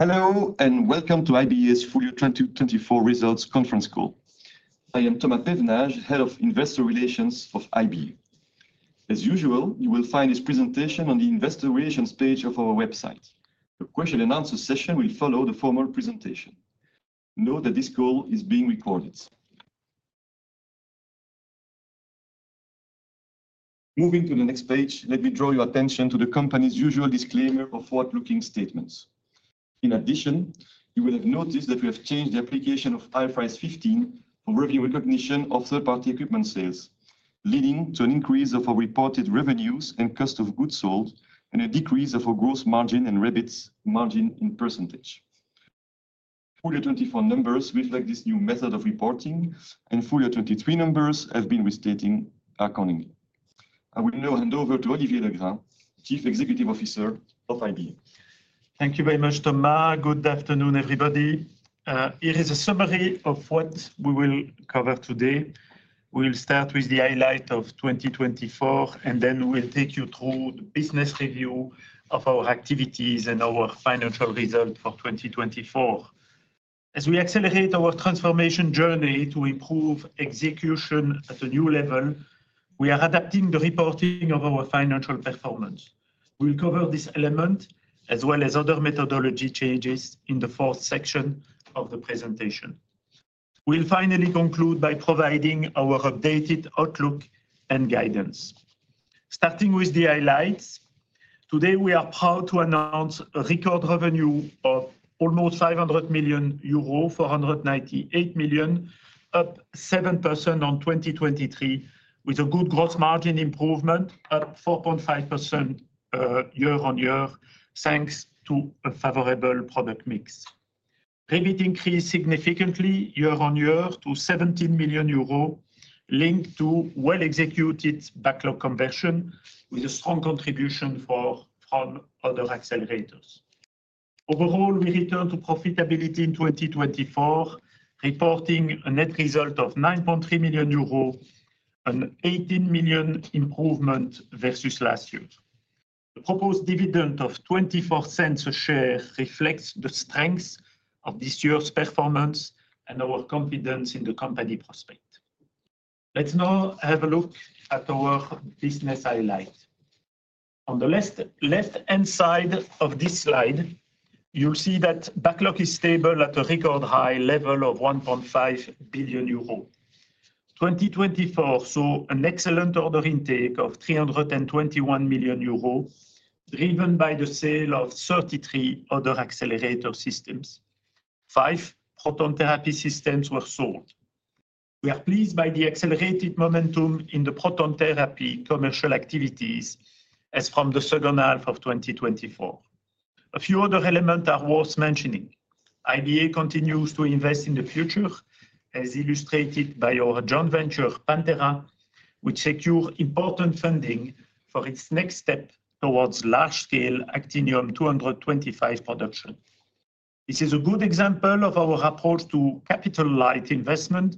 Hello and welcome to IBA's Full Year 2024 Results Conference Call. I am Thomas Pevenage, Head of Investor Relations of IBA. As usual, you will find this presentation on the Investor Relations page of our website. The question-and-answer session will follow the formal presentation. Note that this call is being recorded. Moving to the next page, let me draw your attention to the company's usual disclaimer of forward-looking statements. In addition, you will have noticed that we have changed the application of IFRS 15 for revenue recognition of third-party equipment sales, leading to an increase of our reported revenues and cost of goods sold, and a decrease of our gross margin and REBIT margin in percentage. Full Year 2024 numbers reflect this new method of reporting, and Full Year 2023 numbers have been restated accordingly. I will now hand over to Olivier Legrain, Chief Executive Officer of IBA. Thank you very much, Thomas. Good afternoon, everybody. Here is a summary of what we will cover today. We'll start with the highlight of 2024, and then we'll take you through the business review of our activities and our financial result for 2024. As we accelerate our transformation journey to improve execution at a new level, we are adapting the reporting of our financial performance. We'll cover this element as well as other methodology changes in the fourth section of the presentation. We'll finally conclude by providing our updated outlook and guidance. Starting with the highlights, today we are proud to announce a record revenue of almost 500 million euro, 498 million, up 7% on 2023, with a good gross margin improvement of 4.5% year on year, thanks to a favorable product mix. REBIT increased significantly year on year to 17 million euro, linked to well-executed backlog conversion, with a strong contribution from other accelerators. Overall, we returned to profitability in 2024, reporting a net result of 9.3 million euro, an 18 million improvement versus last year. The proposed dividend of 0.24 a share reflects the strength of this year's performance and our confidence in the company prospect. Let's now have a look at our business highlight. On the left-hand side of this slide, you'll see that backlog is stable at a record high level of 1.5 billion euro. 2024 saw an excellent order intake of 321 million euro, driven by the sale of 33 other accelerator systems. Five proton therapy systems were sold. We are pleased by the accelerated momentum in the proton therapy commercial activities as from the second half of 2024. A few other elements are worth mentioning. IBA continues to invest in the future, as illustrated by our joint venture, Pantera, which secured important funding for its next step towards large-scale actinium-225 production. This is a good example of our approach to capitalize investment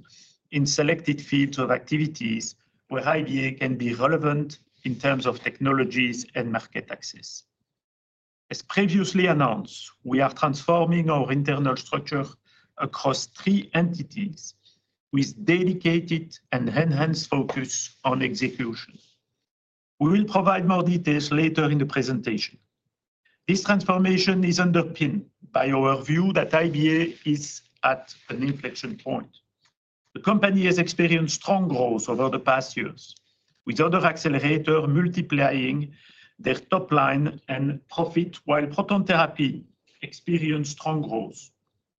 in selected fields of activities where IBA can be relevant in terms of technologies and market access. As previously announced, we are transforming our internal structure across three entities with dedicated and enhanced focus on execution. We will provide more details later in the presentation. This transformation is underpinned by our view that IBA is at an inflection point. The company has experienced strong growth over the past years, with other accelerators multiplying their top line and profit, while proton therapy experienced strong growth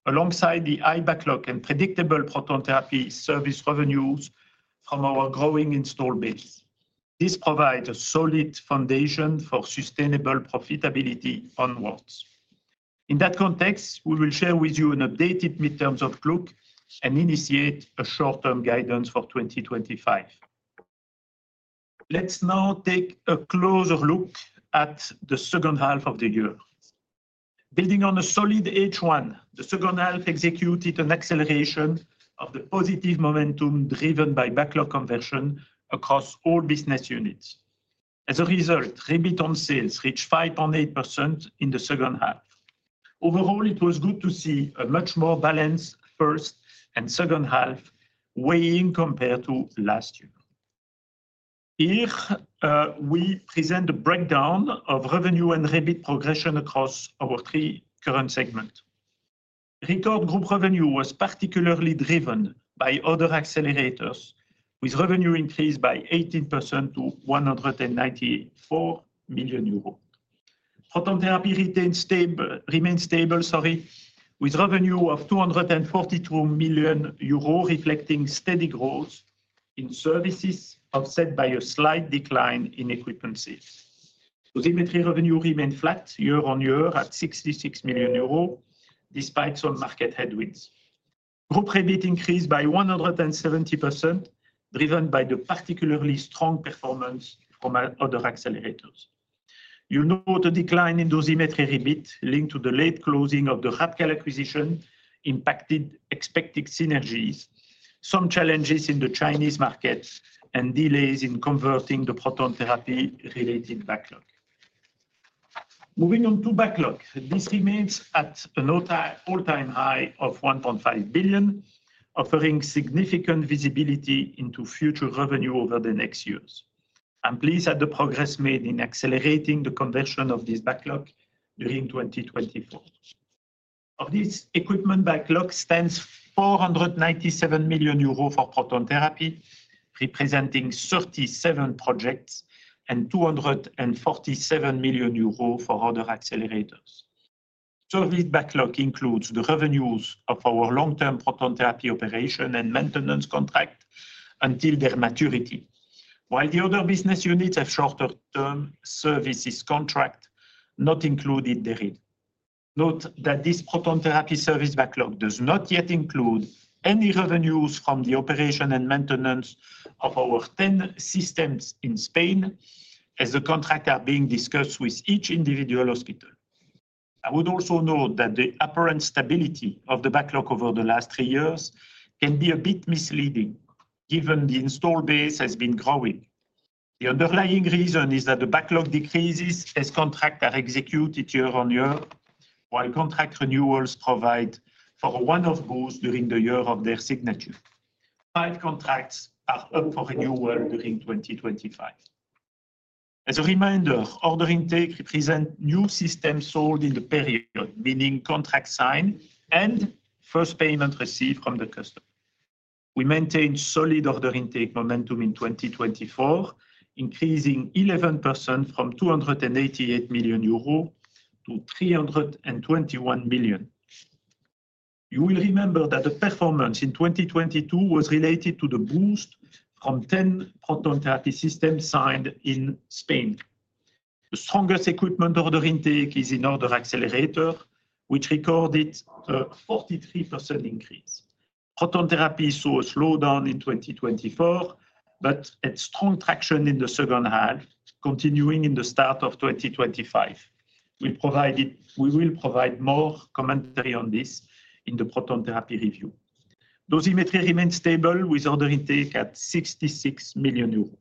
alongside the high backlog and predictable proton therapy service revenues from our growing install base. This provides a solid foundation for sustainable profitability onwards. In that context, we will share with you an updated midterms outlook and initiate a short-term guidance for 2025. Let's now take a closer look at the second half of the year. Building on a solid H1, the second half executed an acceleration of the positive momentum driven by backlog conversion across all business units. As a result, REBIT on sales reached 5.8% in the second half. Overall, it was good to see a much more balanced first and second half weighing compared to last year. Here, we present a breakdown of revenue and REBIT progression across our three current segments. Record group revenue was particularly driven by Other Accelerators, with revenue increased by 18% to 194 million euros. Proton Therapy remained stable, sorry, with revenue of 242 million euros, reflecting steady growth in services offset by a slight decline in equipment sales. Dosimetry revenue remained flat year on year at 66 million euros, despite some market headwinds. Group REBIT increased by 170%, driven by the particularly strong performance from other accelerators. You'll note a decline in dosimetry REBIT linked to the late closing of the RAPCAL acquisition, which impacted expected synergies, some challenges in the Chinese market, and delays in converting the proton therapy-related backlog. Moving on to backlog, this remains at an all-time high of 1.5 billion, offering significant visibility into future revenue over the next years. I'm pleased at the progress made in accelerating the conversion of this backlog during 2024. Of this equipment backlog, 497 million euros is for proton therapy, representing 37 projects, and 247 million euros for other accelerators. Service backlog includes the revenues of our long-term proton therapy operation and maintenance contract until their maturity, while the other business units have shorter-term services contracts not included there. Note that this proton therapy service backlog does not yet include any revenues from the operation and maintenance of our 10 systems in Spain, as the contracts are being discussed with each individual hospital. I would also note that the apparent stability of the backlog over the last three years can be a bit misleading, given the install base has been growing. The underlying reason is that the backlog decreases as contracts are executed year on year, while contract renewals provide for one of those during the year of their signature. Five contracts are up for renewal during 2025. As a reminder, order intake represents new systems sold in the period, meaning contract signed and first payment received from the customer. We maintained solid order intake momentum in 2024, increasing 11% from 288 million euro to 321 million. You will remember that the performance in 2022 was related to the boost from 10 proton therapy systems signed in Spain. The strongest equipment order intake is in other accelerators, which recorded a 43% increase. Proton therapy saw a slowdown in 2024, but had strong traction in the second half, continuing in the start of 2025. We will provide more commentary on this in the proton therapy review. Dosimetry remained stable, with order intake at 66 million euros.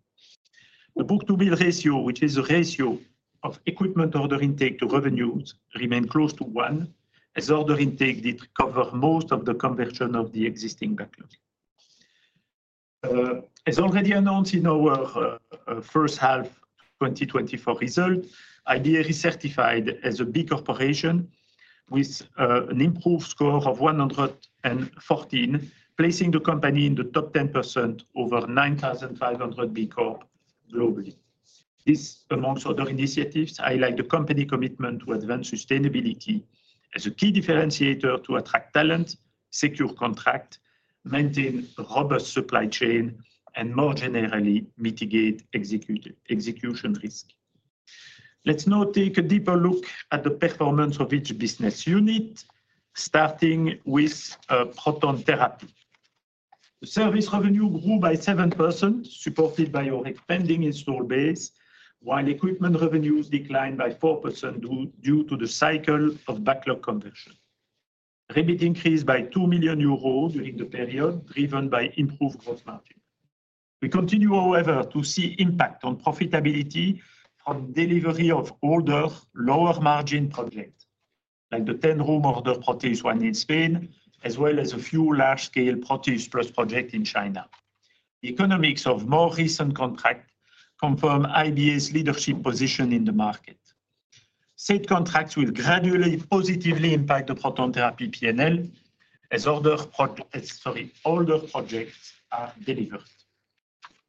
The book-to-bill ratio, which is a ratio of equipment order intake to revenues, remained close to one, as order intake did cover most of the conversion of the existing backlog. As already announced in our first half 2024 result, IBA recertified as a B Corporation with an improved score of 114, placing the company in the top 10% over 9,500 B Corp globally. This, amongst other initiatives, highlights the company's commitment to advance sustainability as a key differentiator to attract talent, secure contracts, maintain a robust supply chain, and more generally, mitigate execution risk. Let's now take a deeper look at the performance of each business unit, starting with proton therapy. The service revenue grew by 7%, supported by our expanding install base, while equipment revenues declined by 4% due to the cycle of backlog conversion. REBIT increased by 2 million euros during the period, driven by improved gross margin. We continue, however, to see impact on profitability from delivery of older, lower-margin projects, like the 10-room order Proteus One in Spain, as well as a few large-scale Proteus Plus projects in China. The economics of more recent contracts confirm IBA's leadership position in the market. Said contracts will gradually positively impact the proton therapy P&L as older projects are delivered.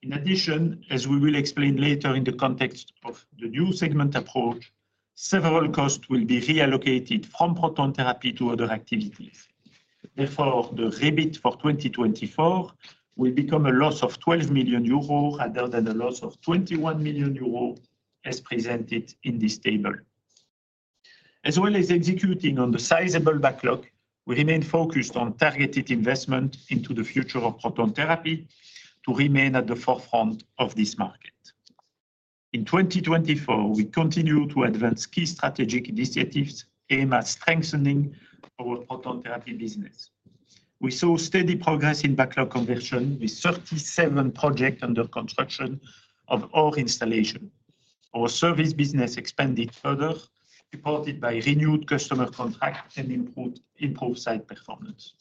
In addition, as we will explain later in the context of the new segment approach, several costs will be reallocated from proton therapy to other activities. Therefore, the REBIT for 2024 will become a loss of 12 million euro rather than a loss of 21 million euro as presented in this table. As well as executing on the sizable backlog, we remain focused on targeted investment into the future of proton therapy to remain at the forefront of this market. In 2024, we continue to advance key strategic initiatives aimed at strengthening our proton therapy business. We saw steady progress in backlog conversion with 37 projects under construction of our installation. Our service business expanded further, supported by renewed customer contracts and improved site performance.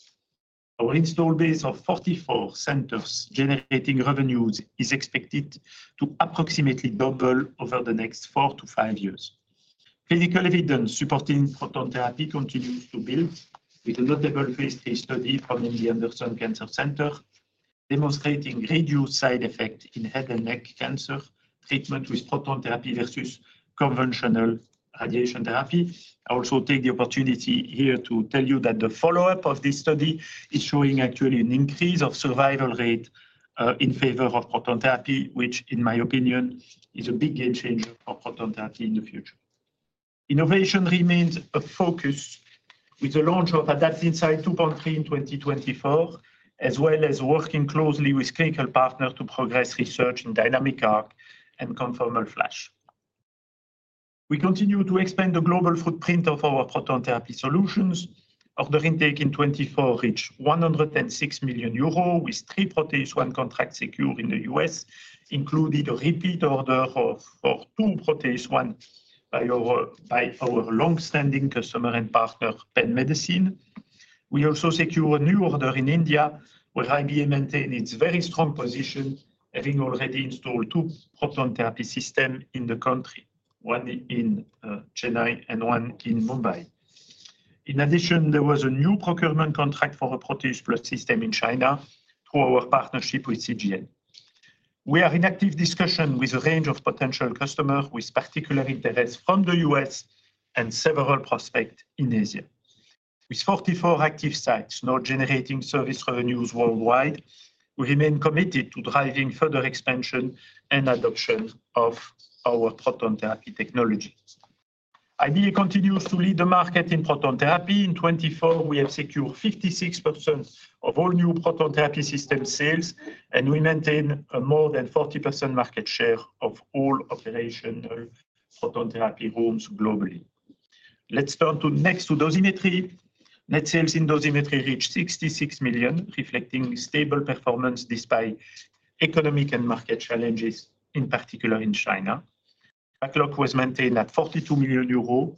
Our install base of 44 centers generating revenues is expected to approximately double over the next four to five years. Clinical evidence supporting proton therapy continues to build, with a notable phase III study from MD Anderson Cancer Center demonstrating reduced side effects in head and neck cancer treatment with proton therapy versus conventional radiation therapy. I also take the opportunity here to tell you that the follow-up of this study is showing actually an increase of survival rate in favor of proton therapy, which, in my opinion, is a big game changer for proton therapy in the future. Innovation remains a focus, with the launch of Adapt Insight 2.3 in 2024, as well as working closely with clinical partners to progress research in dynamic arc and conformalFLASH. We continue to expand the global footprint of our proton therapy solutions. Order intake in 2024 reached 106 million euro, with three Proteus One contracts secured in the U.S., including a repeat order for two Proteus One by our longstanding customer and partner, Penn Medicine. We also secured a new order in India, where IBA maintained its very strong position, having already installed two proton therapy systems in the country, one in Chennai and one in Mumbai. In addition, there was a new procurement contract for a Proteus Plus system in China through our partnership with CGN. We are in active discussion with a range of potential customers with particular interest from the U.S. and several prospects in Asia. With 44 active sites now generating service revenues worldwide, we remain committed to driving further expansion and adoption of our proton therapy technologies. IBA continues to lead the market in proton therapy. In 2024, we have secured 56% of all new proton therapy system sales, and we maintain a more than 40% market share of all operational proton therapy rooms globally. Let's turn next to dosimetry. Net sales in dosimetry reached 66 million, reflecting stable performance despite economic and market challenges, in particular in China. Backlog was maintained at 42 million euros.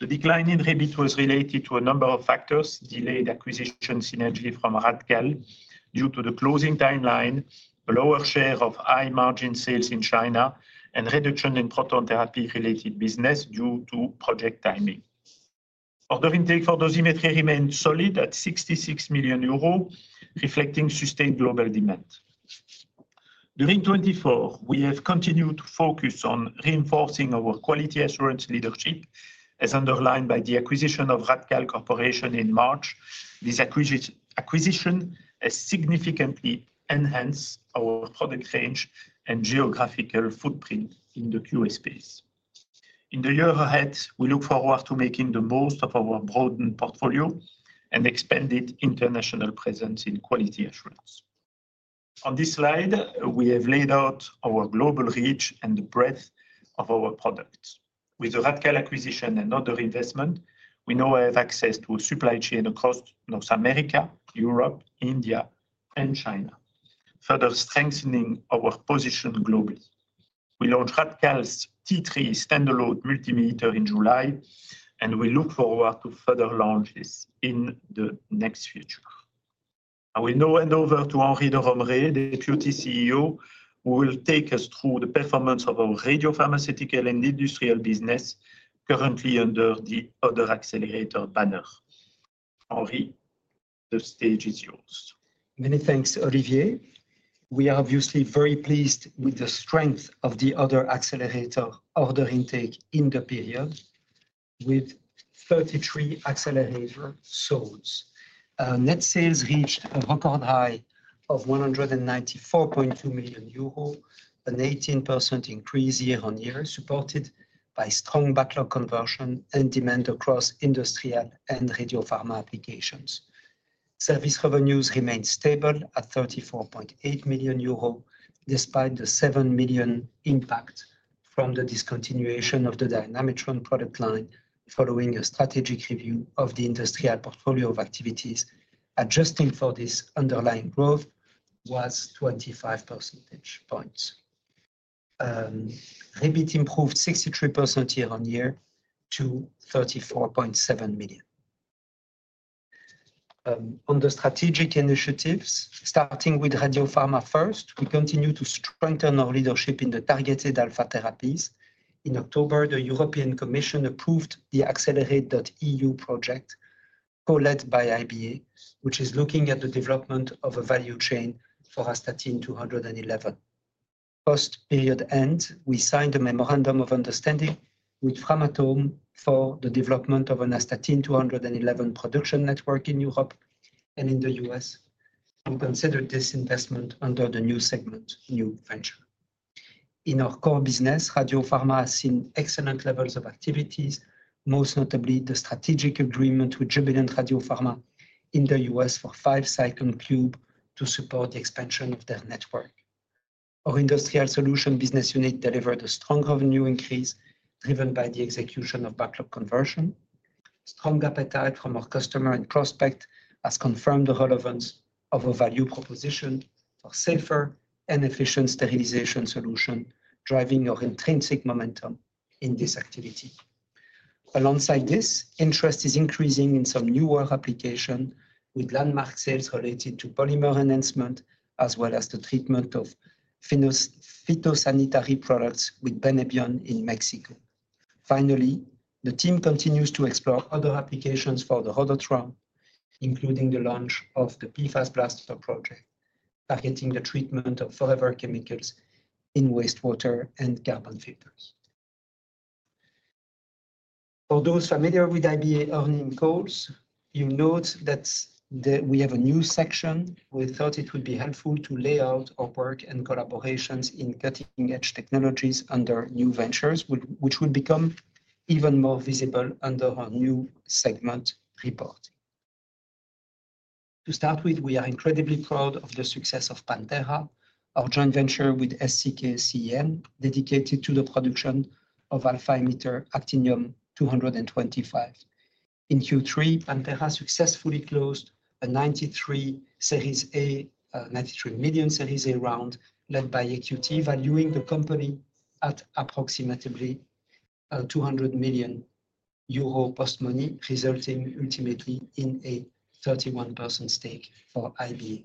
The decline in REBIT was related to a number of factors: delayed acquisition synergy from RAPCAL due to the closing timeline, a lower share of high-margin sales in China, and reduction in proton therapy-related business due to project timing. Order intake for dosimetry remained solid at 66 million euros, reflecting sustained global demand. During 2024, we have continued to focus on reinforcing our quality assurance leadership, as underlined by the acquisition of RAPCAL Corporation in March. This acquisition has significantly enhanced our product range and geographical footprint in the QA space. In the year ahead, we look forward to making the most of our broadened portfolio and expanded international presence in quality assurance. On this slide, we have laid out our global reach and the breadth of our products. With the RAPCAL acquisition and other investment, we now have access to a supply chain across North America, Europe, India, and China, further strengthening our position globally. We launched RAPCAL's T3 Standalone Multimeter in July, and we look forward to further launches in the next future. I will now hand over to Henri de Romrée, the Deputy CEO, who will take us through the performance of our radiopharmaceutical and industrial business currently under the Other Accelerator banner. Henri, the stage is yours. Many thanks, Olivier. We are obviously very pleased with the strength of the Other Accelerator order intake in the period, with 33 accelerators sold. Net sales reached a record high of 194.2 million euro, an 18% increase year on year, supported by strong backlog conversion and demand across industrial and radiopharma applications. Service revenues remained stable at 34.8 million euro, despite the 7 million impact from the discontinuation of the Dynamitron product line following a strategic review of the industrial portfolio of activities. Adjusting for this, underlying growth was 25 percentage points. REBIT improved 63% year on year to 34.7 million. On the strategic initiatives, starting with Radiopharma First, we continue to strengthen our leadership in the targeted alpha therapies. In October, the European Commission approved the accelerate.eu project co-led by IBA, which is looking at the development of a value chain for astatine-211. Post-period end, we signed a memorandum of understanding with Framatome for the development of an astatine-211 production network in Europe and in the United States. We considered this investment under the new segment, new venture. In our core business, Radiopharma has seen excellent levels of activities, most notably the strategic agreement with Jubilant Radiopharma in the US for five Cyclone KIUBE to support the expansion of their network. Our Industrial Solution business unit delivered a strong revenue increase driven by the execution of backlog conversion. Strong appetite from our customer and prospect has confirmed the relevance of our value proposition for safer and efficient sterilization solutions, driving our intrinsic momentum in this activity. Alongside this, interest is increasing in some newer applications with landmark sales related to polymer enhancement, as well as the treatment of phytosanitary products with Benebion in Mexico. Finally, the team continues to explore other applications for the Rhodotron, including the launch of the PFAS Blaster project, targeting the treatment of forever chemicals in wastewater and carbon filters. For those familiar with IBA earning calls, you'll note that we have a new section where we thought it would be helpful to lay out our work and collaborations in cutting-edge technologies under new ventures, which will become even more visible under our new segment report. To start with, we are incredibly proud of the success of Pantera, our joint venture with SCK CEN, dedicated to the production of alpha-emitter actinium-225. In Q3, Pantera successfully closed a 93 million series A round led by EQT, valuing the company at approximately 200 million euro post-money, resulting ultimately in a 31% stake for IBA.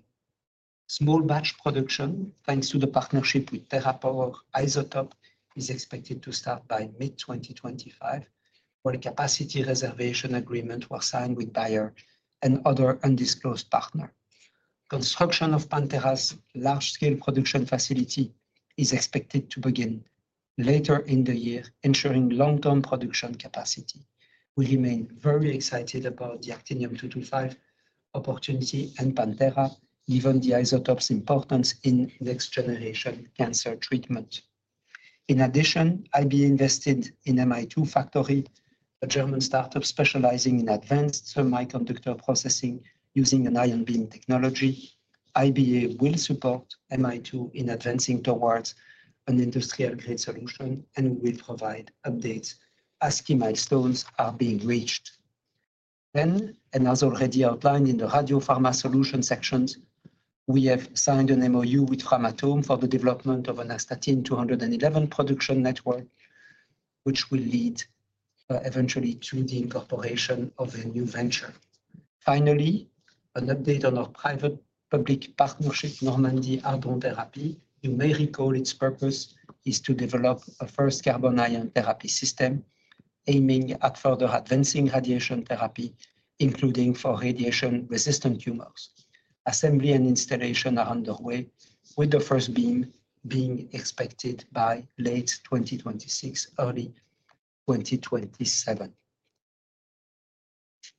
Small batch production, thanks to the partnership with TerraPower Isotope, is expected to start by mid-2025, where capacity reservation agreements were signed with Bayer and other undisclosed partners. Construction of Pantera's large-scale production facility is expected to begin later in the year, ensuring long-term production capacity. We remain very excited about the actinium-225 opportunity and Pantera, given the isotope's importance in next-generation cancer treatment. In addition, IBA invested in Mi2 Factory, a German startup specializing in advanced semiconductor processing using an ion beam technology. IBA will support Mi2 in advancing towards an industrial-grade solution, and we will provide updates as key milestones are being reached. As already outlined in the radiopharma solution sections, we have signed an MoU with Framatome for the development of an astatine-211 production network, which will lead eventually to the incorporation of a new venture. Finally, an update on our public-private partnership, Normandie Ardent Therapy. You may recall its purpose is to develop a first carbon ion therapy system aiming at further advancing radiation therapy, including for radiation-resistant tumors. Assembly and installation are underway, with the first beam being expected by late 2026, early 2027.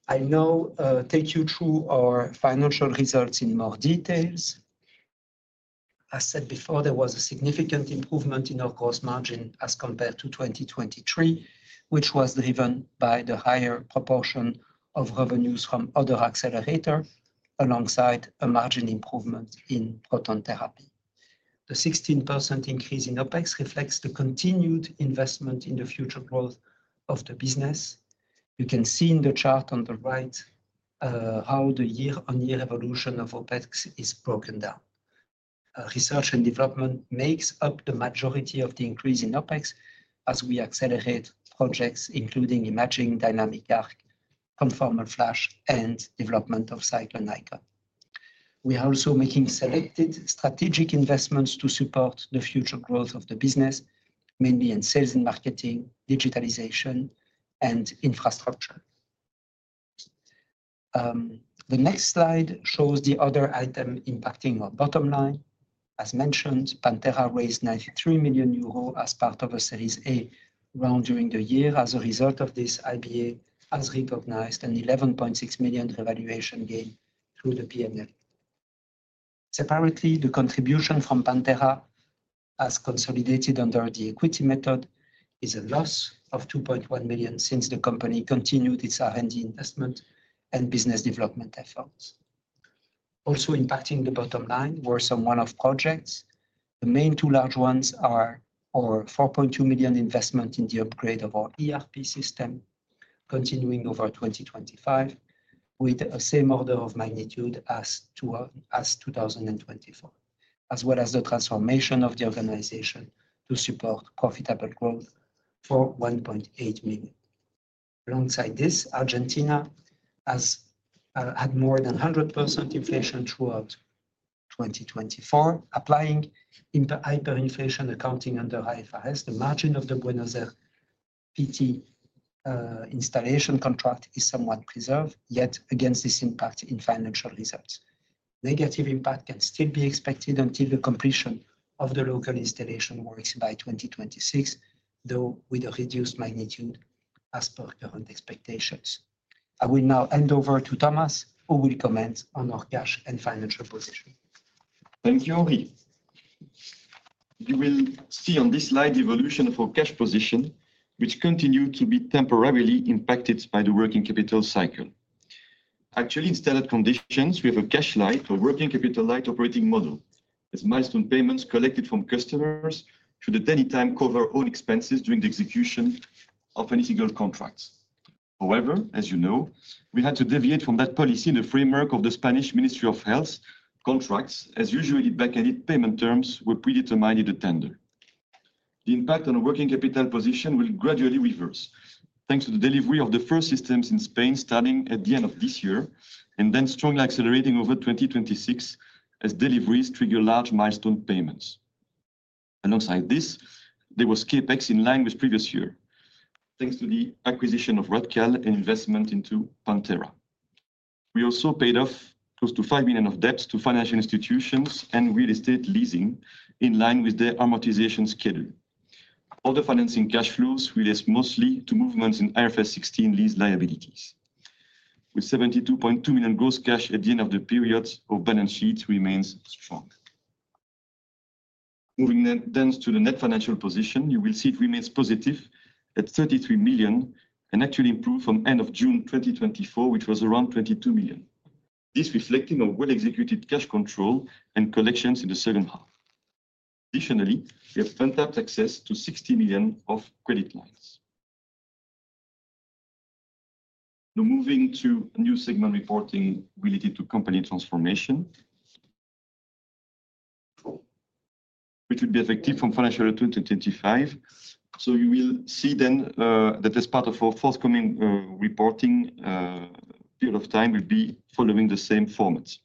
I'll now take you through our financial results in more detail. As said before, there was a significant improvement in our gross margin as compared to 2023, which was driven by the higher proportion of revenues from other accelerators, alongside a margin improvement in proton therapy. The 16% increase in OPEX reflects the continued investment in the future growth of the business. You can see in the chart on the right how the year-on-year evolution of OPEX is broken down. Research and development makes up the majority of the increase in OPEX as we accelerate projects, including imaging, dynamic arc, conformal flash, and development of Cyclone KIUBE. We are also making selected strategic investments to support the future growth of the business, mainly in sales and marketing, digitalization, and infrastructure. The next slide shows the other item impacting our bottom line. As mentioned, Pantera raised 93 million euros as part of a series A round during the year. As a result of this, IBA has recognized an 11.6 million revaluation gain through the P&L. Separately, the contribution from Pantera, as consolidated under the equity method, is a loss of 2.1 million since the company continued its R&D investment and business development efforts. Also impacting the bottom line were some one-off projects. The main two large ones are our 4.2 million investment in the upgrade of our ERP system, continuing over 2025, with the same order of magnitude as 2024, as well as the transformation of the organization to support profitable growth for 1.8 million. Alongside this, Argentina has had more than 100% inflation throughout 2024. Applying hyperinflation accounting under IFRS 15, the margin of the Buenos Aires PT installation contract is somewhat preserved, yet against this impact in financial results. Negative impact can still be expected until the completion of the local installation works by 2026, though with a reduced magnitude as per current expectations. I will now hand over to Thomas, who will comment on our cash and financial position. Thank you, Henri. You will see on this slide the evolution of our cash position, which continued to be temporarily impacted by the working capital cycle. Actually, in standard conditions, we have a cash-light or working capital-light operating model, as milestone payments collected from customers should at any time cover all expenses during the execution of any single contract. However, as you know, we had to deviate from that policy in the framework of the Spanish Ministry of Health contracts, as usually back-ended payment terms were predetermined in the tender. The impact on the working capital position will gradually reverse, thanks to the delivery of the first systems in Spain starting at the end of this year and then strongly accelerating over 2026, as deliveries trigger large milestone payments. Alongside this, there was CapEx in line with the previous year, thanks to the acquisition of RAPCAL and investment into Pantera. We also paid off close to 5 million of debts to financial institutions and real estate leasing in line with their amortization schedule. Other financing cash flows were linked mostly to movements in IFRS 16 lease liabilities. With 72.2 million gross cash at the end of the period, our balance sheet remains strong. Moving then to the net financial position, you will see it remains positive at 33 million and actually improved from the end of June 2024, which was around 22 million. This reflects our well-executed cash control and collections in the second half. Additionally, we have untapped access to 60 million of credit lines. Now moving to a new segment reporting related to company transformation, which will be effective from financial year 2025. You will see then that as part of our forthcoming reporting period of time, we'll be following the same formats.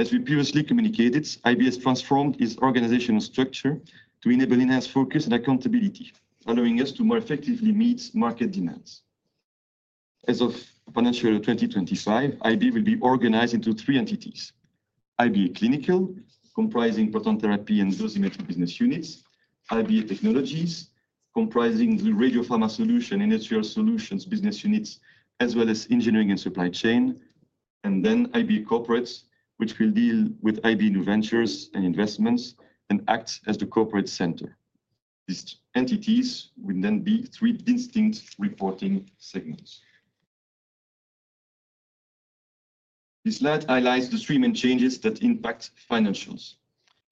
As we previously communicated, IBA has transformed its organizational structure to enable enhanced focus and accountability, allowing us to more effectively meet market demands. As of financial year 2025, IBA will be organized into three entities: IBA Clinical, comprising proton therapy and dosimetry business units; IBA Technologies, comprising the radiopharma solution and industrial solutions business units, as well as engineering and supply chain; and then IBA Corporate, which will deal with IBA new ventures and investments and act as the corporate center. These entities will then be three distinct reporting segments. This slide highlights the three main changes that impact financials.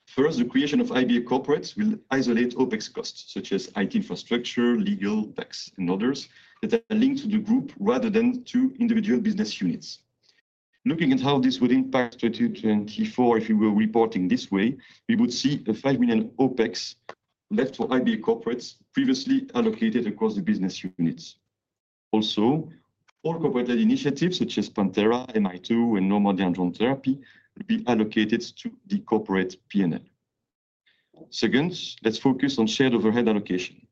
First, the creation of IBA Corporate will isolate OPEX costs, such as IT infrastructure, legal, tax, and others that are linked to the group rather than to individual business units. Looking at how this would impact 2024, if we were reporting this way, we would see a 5 million OPEX left for IBA Corporate previously allocated across the business units. Also, all corporate-led initiatives, such as Pantera, MI2, and Normandie Ardent Therapy, will be allocated to the corporate P&L. Second, let's focus on shared overhead allocation.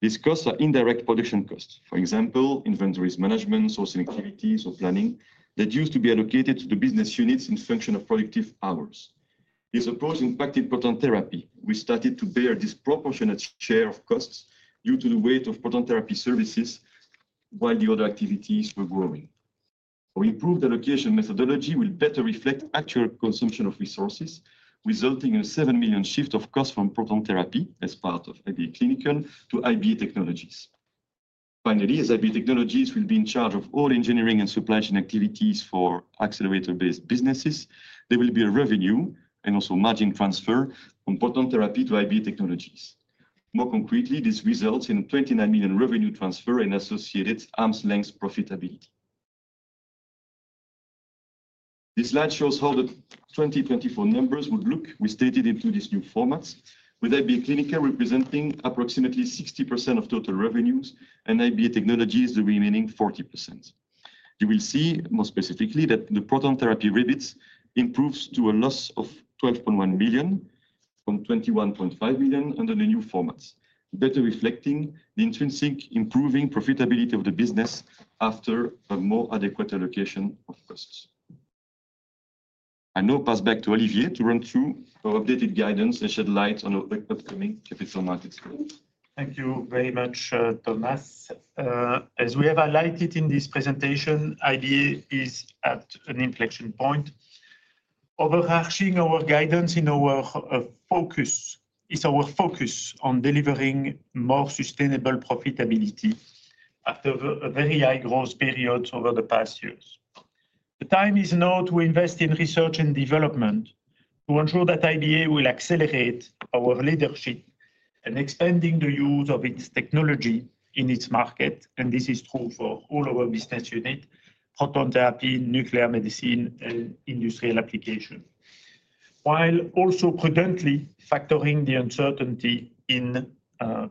These costs are indirect production costs, for example, inventories management, sourcing activities, or planning that used to be allocated to the business units in function of productive hours. This approach impacted proton therapy, which started to bear a disproportionate share of costs due to the weight of proton therapy services while the other activities were growing. Our improved allocation methodology will better reflect actual consumption of resources, resulting in a 7 million shift of costs from proton therapy as part of IBA Clinical to IBA Technologies. Finally, as IBA Technologies will be in charge of all engineering and supply chain activities for accelerator-based businesses, there will be a revenue and also margin transfer from proton therapy to IBA Technologies. More concretely, this results in a 29 million revenue transfer and associated arm's-length profitability. This slide shows how the 2024 numbers would look restated into these new formats, with IBA Clinical representing approximately 60% of total revenues and IBA Technologies the remaining 40%. You will see more specifically that the proton therapy REBIT improved to a loss of 12.1 million from 21.5 million under the new formats, better reflecting the intrinsic improving profitability of the business after a more adequate allocation of costs. I now pass back to Olivier to run through our updated guidance and shed light on our upcoming capital markets goals. Thank you very much, Thomas. As we have highlighted in this presentation, IBA is at an inflection point. Overarching our guidance in our focus is our focus on delivering more sustainable profitability after very high growth periods over the past years. The time is now to invest in research and development to ensure that IBA will accelerate our leadership and expand the use of its technology in its market, and this is true for all our business units, proton therapy, nuclear medicine, and industrial applications, while also prudently factoring the uncertainty in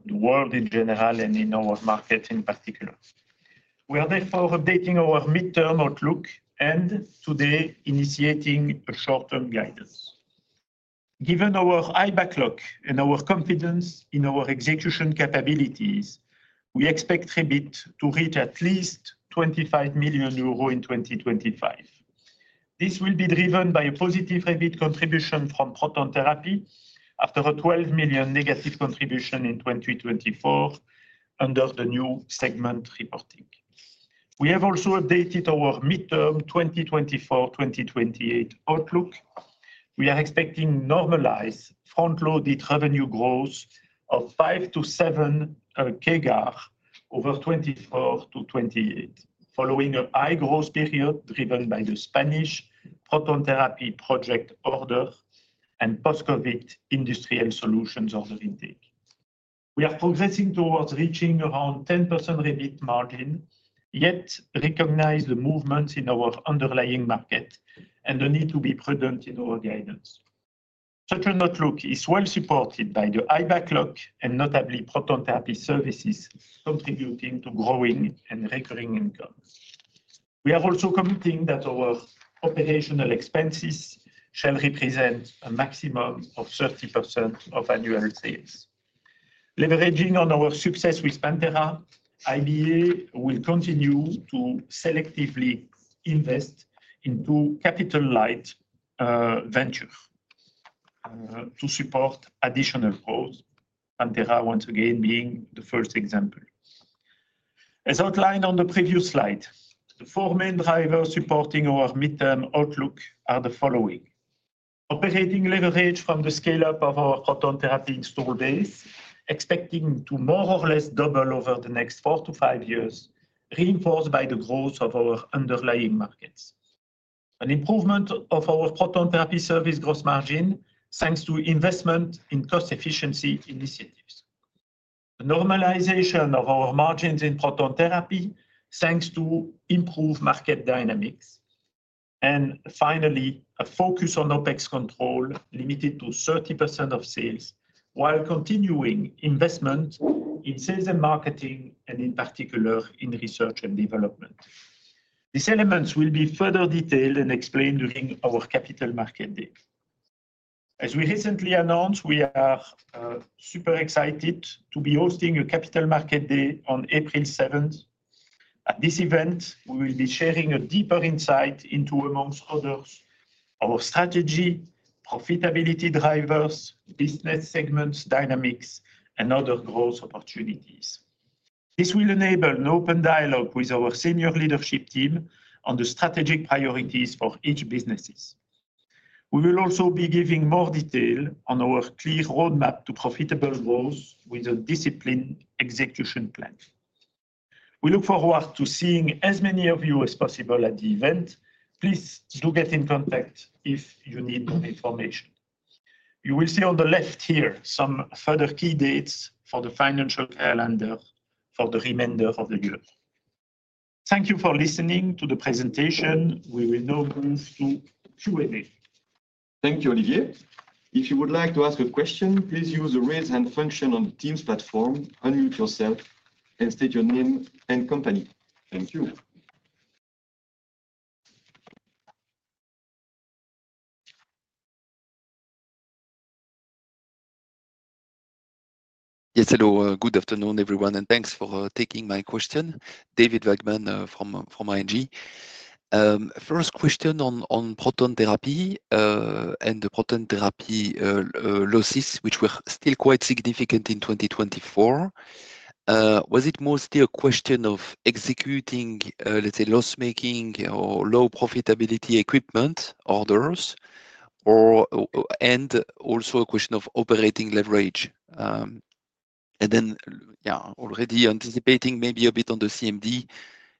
the world in general and in our market in particular. We are therefore updating our midterm outlook and today initiating a short-term guidance. Given our high backlog and our confidence in our execution capabilities, we expect REBIT to reach at least 25 million euros in 2025. This will be driven by a positive REBIT contribution from proton therapy after a 12 million negative contribution in 2024 under the new segment reporting. We have also updated our midterm 2024-2028 outlook. We are expecting normalized front-loaded revenue growth of 5 million-7 million KGAR over 2024 to 2028, following a high growth period driven by the Spanish proton therapy project order and post-COVID industrial solutions order intake. We are progressing towards reaching around 10% REBIT margin, yet recognize the movements in our underlying market and the need to be prudent in our guidance. Such an outlook is well supported by the high backlog and notably proton therapy services contributing to growing and recurring income. We are also committing that our operational expenses shall represent a maximum of 30% of annual sales. Leveraging on our success with Pantera, IBA will continue to selectively invest into capital-light ventures to support additional growth, Pantera once again being the first example. As outlined on the previous slide, the four main drivers supporting our midterm outlook are the following: operating leverage from the scale-up of our proton therapy install base, expecting to more or less double over the next four to five years, reinforced by the growth of our underlying markets; an improvement of our proton therapy service gross margin thanks to investment in cost-efficiency initiatives; a normalization of our margins in proton therapy thanks to improved market dynamics; and finally, a focus on OPEX control limited to 30% of sales while continuing investment in sales and marketing, and in particular in research and development. These elements will be further detailed and explained during our capital market day. As we recently announced, we are super excited to be hosting a capital market day on April 7. At this event, we will be sharing a deeper insight into, amongst others, our strategy, profitability drivers, business segment dynamics, and other growth opportunities. This will enable an open dialogue with our senior leadership team on the strategic priorities for each business. We will also be giving more detail on our clear roadmap to profitable growth with a disciplined execution plan. We look forward to seeing as many of you as possible at the event. Please do get in contact if you need more information. You will see on the left here some further key dates for the financial calendar for the remainder of the year. Thank you for listening to the presentation. We will now move to Q&A. Thank you, Olivier. If you would like to ask a question, please use the raise hand function on the Teams platform, unmute yourself, and state your name and company. Thank you. Yes, hello, good afternoon everyone, and thanks for taking my question, David Wetherbee from ING. First question on proton therapy and the proton therapy losses, which were still quite significant in 2024. Was it mostly a question of executing, let's say, loss-making or low profitability equipment orders, and also a question of operating leverage? Yeah, already anticipating maybe a bit on the CMD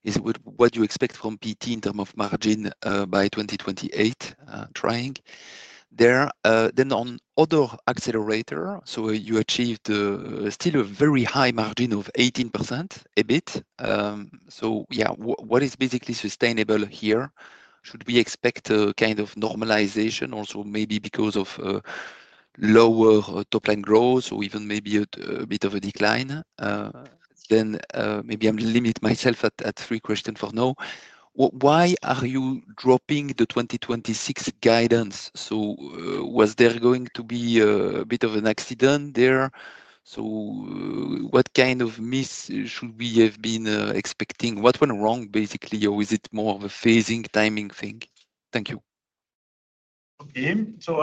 is what you expect from PT in terms of margin by 2028, trying there. On other accelerator, you achieved still a very high margin of 18% EBIT. What is basically sustainable here? Should we expect a kind of normalization also maybe because of lower top-line growth or even maybe a bit of a decline? Maybe I'll limit myself at three questions for now. Why are you dropping the 2026 guidance? Was there going to be a bit of an accident there? What kind of miss should we have been expecting? What went wrong basically, or is it more of a phasing timing thing? Thank you. Okay, I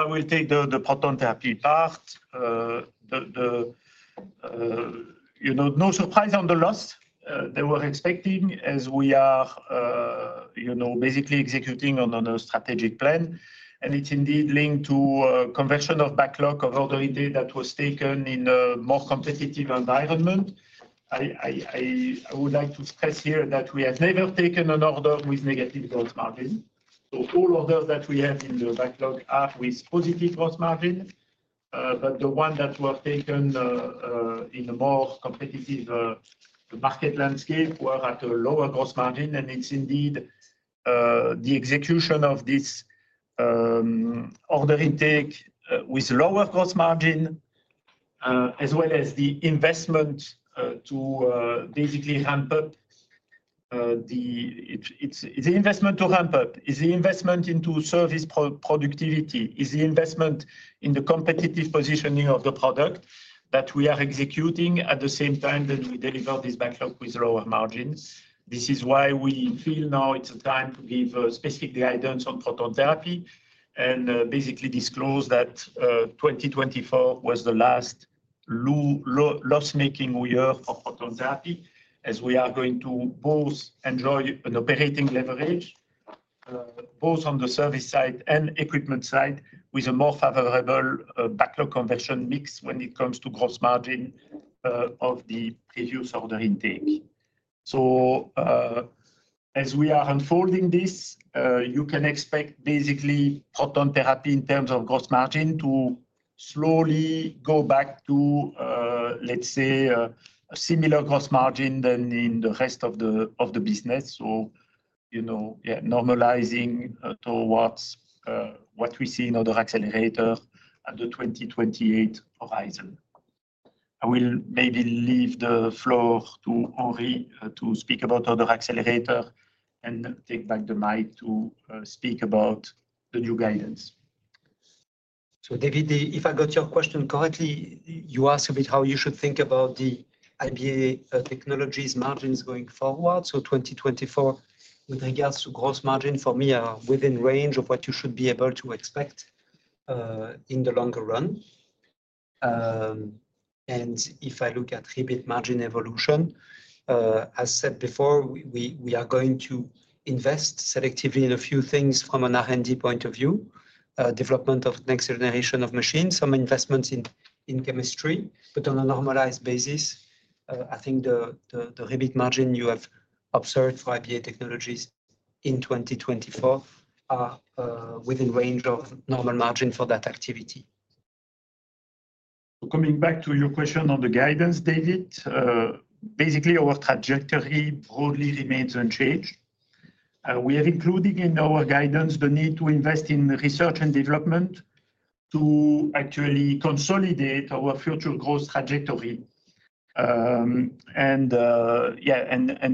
will take the proton therapy part. No surprise on the loss. They were expecting as we are basically executing on a strategic plan, and it is indeed linked to a conversion of backlog of order that was taken in a more competitive environment. I would like to stress here that we have never taken an order with negative gross margin. All orders that we have in the backlog are with positive gross margin, but the ones that were taken in a more competitive market landscape were at a lower gross margin, and it's indeed the execution of this order intake with lower gross margin as well as the investment to basically ramp up the investment to ramp up is the investment into service productivity, is the investment in the competitive positioning of the product that we are executing at the same time that we deliver this backlog with lower margins. This is why we feel now it's time to give specific guidance on proton therapy and basically disclose that 2024 was the last loss-making year for proton therapy as we are going to both enjoy an operating leverage both on the service side and equipment side with a more favorable backlog conversion mix when it comes to gross margin of the previous order intake. As we are unfolding this, you can expect basically proton therapy in terms of gross margin to slowly go back to, let's say, a similar gross margin than in the rest of the business. Normalizing towards what we see in other accelerator at the 2028 horizon. I will maybe leave the floor to Henri to speak about other accelerator and take back the mic to speak about the new guidance. David, if I got your question correctly, you asked a bit how you should think about the IBA Technologies margins going forward. 2024 with regards to gross margin for me are within range of what you should be able to expect in the longer run. If I look at rebate margin evolution, as said before, we are going to invest selectively in a few things from an R&D point of view, development of next generation of machines, some investments in chemistry, but on a normalized basis, I think the rebate margin you have observed for IBA Technologies in 2024 are within range of normal margin for that activity. Coming back to your question on the guidance, David, basically our trajectory broadly remains unchanged. We have included in our guidance the need to invest in research and development to actually consolidate our future growth trajectory and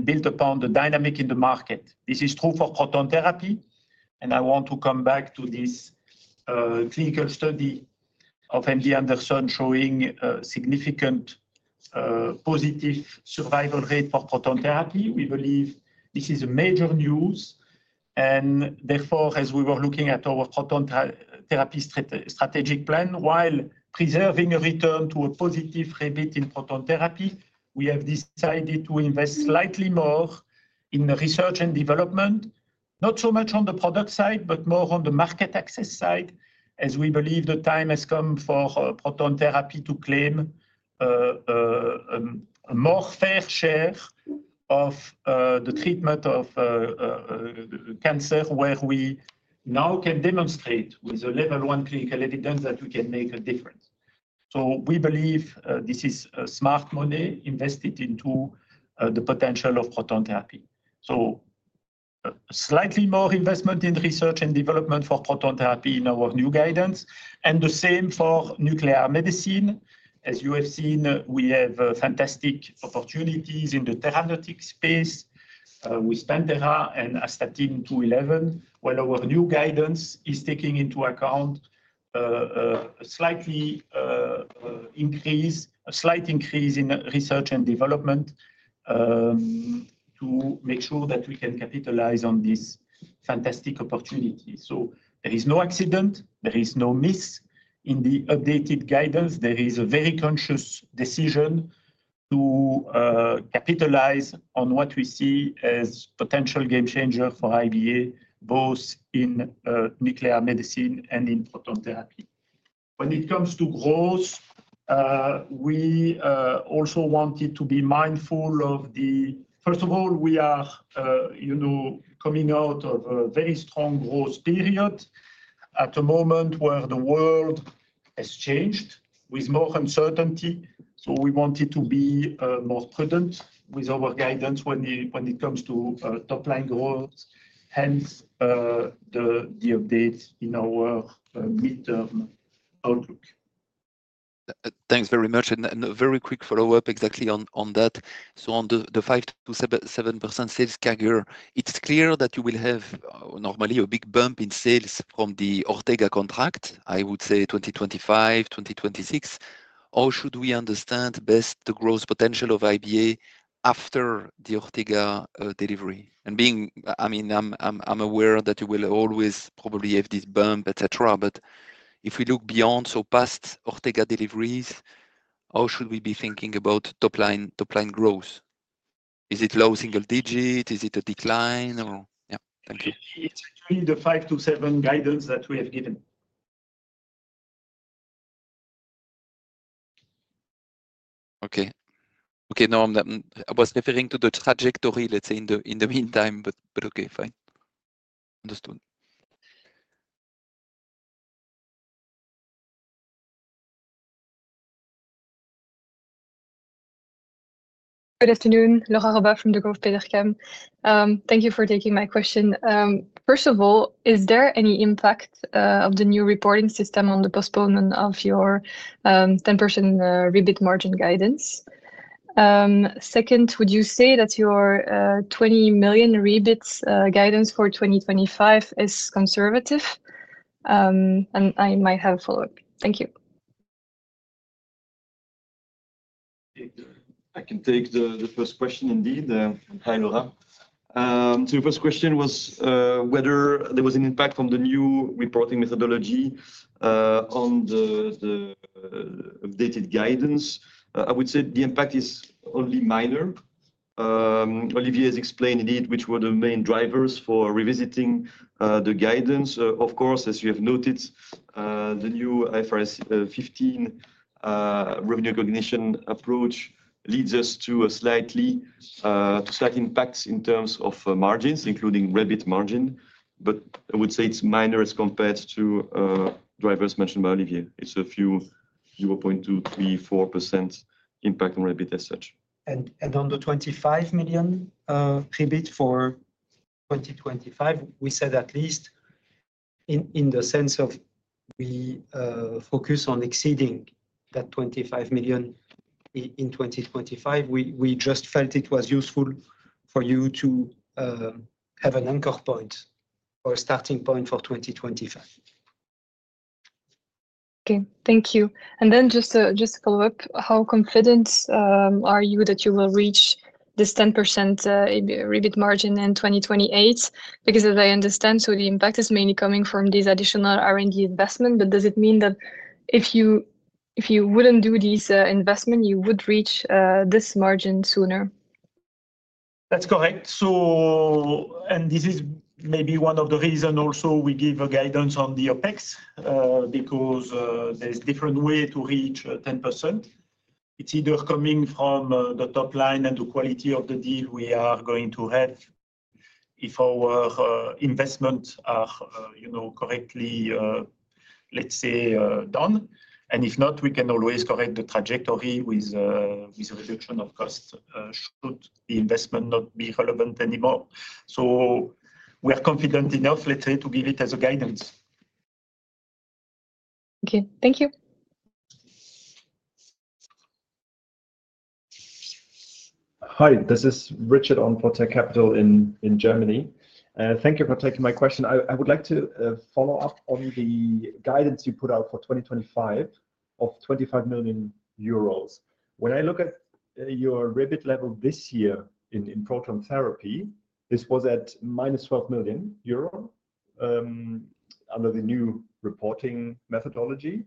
build upon the dynamic in the market. This is true for proton therapy, and I want to come back to this clinical study of MD Anderson showing significant positive survival rate for proton therapy. We believe this is a major news, and therefore, as we were looking at our proton therapy strategic plan, while preserving a return to a positive rebate in proton therapy, we have decided to invest slightly more in research and development, not so much on the product side, but more on the market access side, as we believe the time has come for proton therapy to claim a more fair share of the treatment of cancer where we now can demonstrate with a level one clinical evidence that we can make a difference. We believe this is smart money invested into the potential of proton therapy. Slightly more investment in research and development for proton therapy in our new guidance, and the same for nuclear medicine. As you have seen, we have fantastic opportunities in the therapeutic space with Pantera and astatine-211, while our new guidance is taking into account a slight increase, a slight increase in research and development to make sure that we can capitalize on this fantastic opportunity. There is no accident, there is no miss in the updated guidance. There is a very conscious decision to capitalize on what we see as potential game changer for IBA, both in nuclear medicine and in proton therapy. When it comes to growth, we also wanted to be mindful of the, first of all, we are coming out of a very strong growth period at a moment where the world has changed with more uncertainty. We wanted to be more prudent with our guidance when it comes to top-line growth, hence the update in our midterm outlook. Thanks very much. A very quick follow-up exactly on that. On the 5-7% sales carrier, it's clear that you will have normally a big bump in sales from the Ortega contract, I would say 2025, 2026. Should we understand best the growth potential of IBA after the Ortega delivery? I mean, I'm aware that you will always probably have this bump, etc., but if we look beyond, so past Ortega deliveries, how should we be thinking about top-line growth? Is it low single digit? Is it a decline? Yeah, thank you. It's in the 5-7% guidance that we have given. Okay. Okay, no, I was referring to the trajectory, let's say, in the meantime, but okay, fine. Understood. Good afternoon, Laura Roba from the Degroof Petercam. Thank you for taking my question. First of all, is there any impact of the new reporting system on the postponement of your 10% REBIT margin guidance? Second, would you say that your €20 million REBIT guidance for 2025 is conservative? And I might have a follow-up. Thank you. I can take the first question indeed. Hi, Laura. The first question was whether there was an impact on the new reporting methodology on the updated guidance. I would say the impact is only minor. Olivier has explained indeed which were the main drivers for revisiting the guidance. Of course, as you have noted, the new IFRS 15 revenue recognition approach leads us to slight impacts in terms of margins, including REBIT margin, but I would say it's minor as compared to drivers mentioned by Olivier. It's a few 0.234% impact on REBIT as such. On the €25 million REBIT for 2025, we said at least in the sense of, we focus on exceeding that €25 million in 2025. We just felt it was useful for you to have an anchor point or a starting point for 2025. Okay, thank you. Just to follow up, how confident are you that you will reach this 10% REBIT margin in 2028? Because as I understand, the impact is mainly coming from these additional R&D investments, but does it mean that if you wouldn't do these investments, you would reach this margin sooner? That's correct. This is maybe one of the reasons also we give a guidance on the OpEx because there is a different way to reach 10%. It is either coming from the top line and the quality of the deal we are going to have if our investments are correctly, let's say, done. If not, we can always correct the trajectory with a reduction of costs should the investment not be relevant anymore. We are confident enough, let's say, to give it as a guidance. Okay, thank you. Hi, this is Richard on Protect Capital in Germany. Thank you for taking my question. I would like to follow up on the guidance you put out for 2025 of 25 million euros. When I look at your REBIT level this year in proton therapy, this was at minus 12 million euro under the new reporting methodology.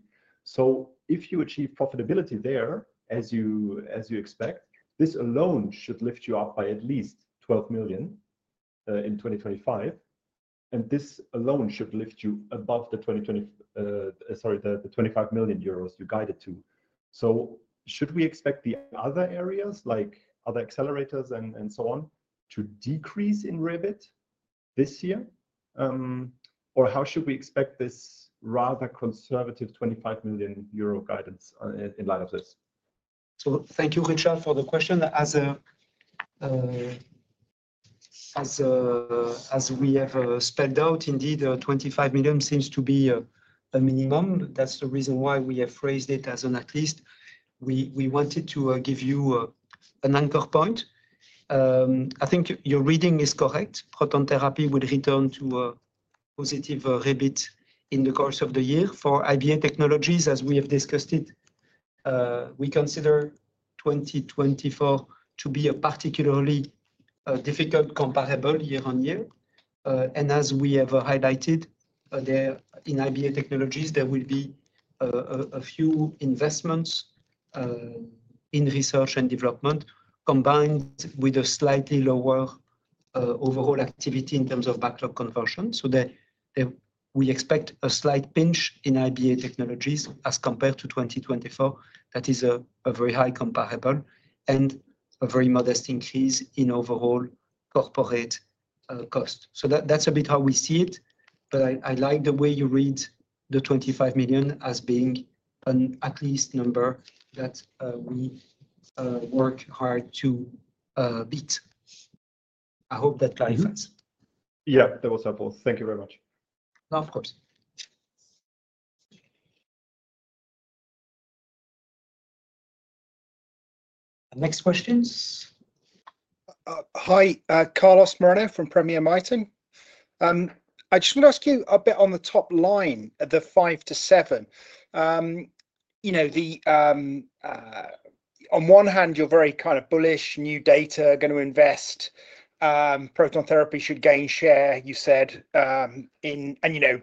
If you achieve profitability there, as you expect, this alone should lift you up by at least 12 million in 2025. This alone should lift you above the 25 million euros you guided to. Should we expect the other areas, like other accelerators and so on, to decrease in REBIT this year? How should we expect this rather conservative 25 million euro guidance in light of this? Thank you, Richard, for the question. As we have spelled out, indeed, 25 million seems to be a minimum. That is the reason why we have phrased it as an at least. We wanted to give you an anchor point. I think your reading is correct. Proton therapy would return to a positive REBIT in the course of the year. For IBA Technologies, as we have discussed it, we consider 2024 to be a particularly difficult comparable year on year. As we have highlighted in IBA Technologies, there will be a few investments in research and development combined with a slightly lower overall activity in terms of backlog conversion. We expect a slight pinch in IBA Technologies as compared to 2024. That is a very high comparable and a very modest increase in overall corporate cost. That is a bit how we see it. I like the way you read the 25 million as being an at least number that we work hard to beat. I hope that clarifies. Yeah, that was helpful. Thank you very much. No, of course. Next questions. Hi, Carlos Moreno from Premier Miton. I just want to ask you a bit on the top line of the 5-7. On one hand, you're very kind of bullish, new data, going to invest, proton therapy should gain share, you said. There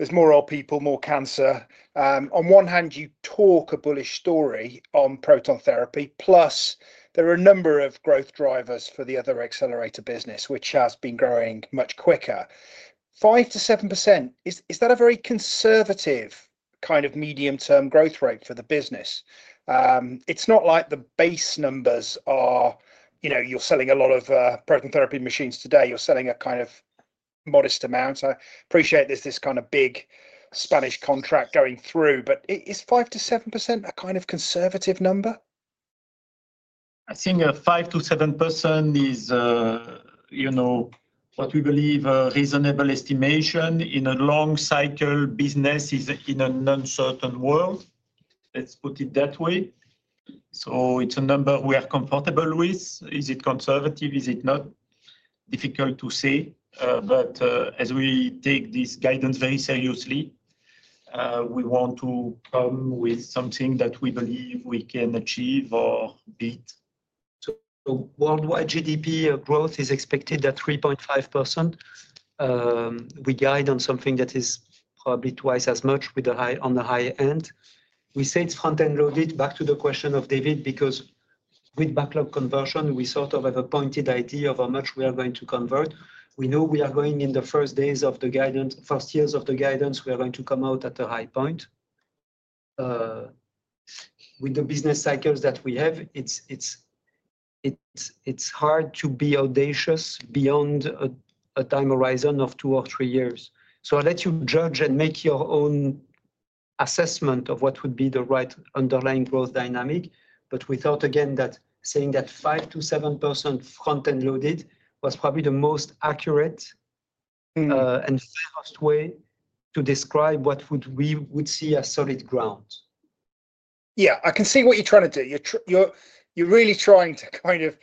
are more old people, more cancer. On one hand, you talk a bullish story on proton therapy, plus there are a number of growth drivers for the other accelerator business, which has been growing much quicker. 5-7%, is that a very conservative kind of medium-termgrowth rate for the business? It's not like the base numbers are you're selling a lot of proton therapy machines today. You're selling a kind of modest amount. I appreciate there's this kind of big Spanish contract going through, but is 5-7% a kind of conservative number? I think 5-7% is what we believe a reasonable estimation in a long-cycle business in an uncertain world. Let's put it that way. It is a number we are comfortable with. Is it conservative? Is it not? Difficult to say. As we take this guidance very seriously, we want to come with something that we believe we can achieve or beat. Worldwide GDP growth is expected at 3.5%. We guide on something that is probably twice as much on the high end. We say it is front-end loaded. Back to the question of David, because with backlog conversion, we sort of have a pointed idea of how much we are going to convert. We know we are going in the first days of the guidance, first years of the guidance, we are going to come out at a high point. With the business cycles that we have, it is hard to be audacious beyond a time horizon of two or three years. I'll let you judge and make your own assessment of what would be the right underlying growth dynamic. We thought, again, that saying that 5-7% front-end loaded was probably the most accurate and fairest way to describe what we would see as solid ground. Yeah, I can see what you're trying to do. You're really trying to kind of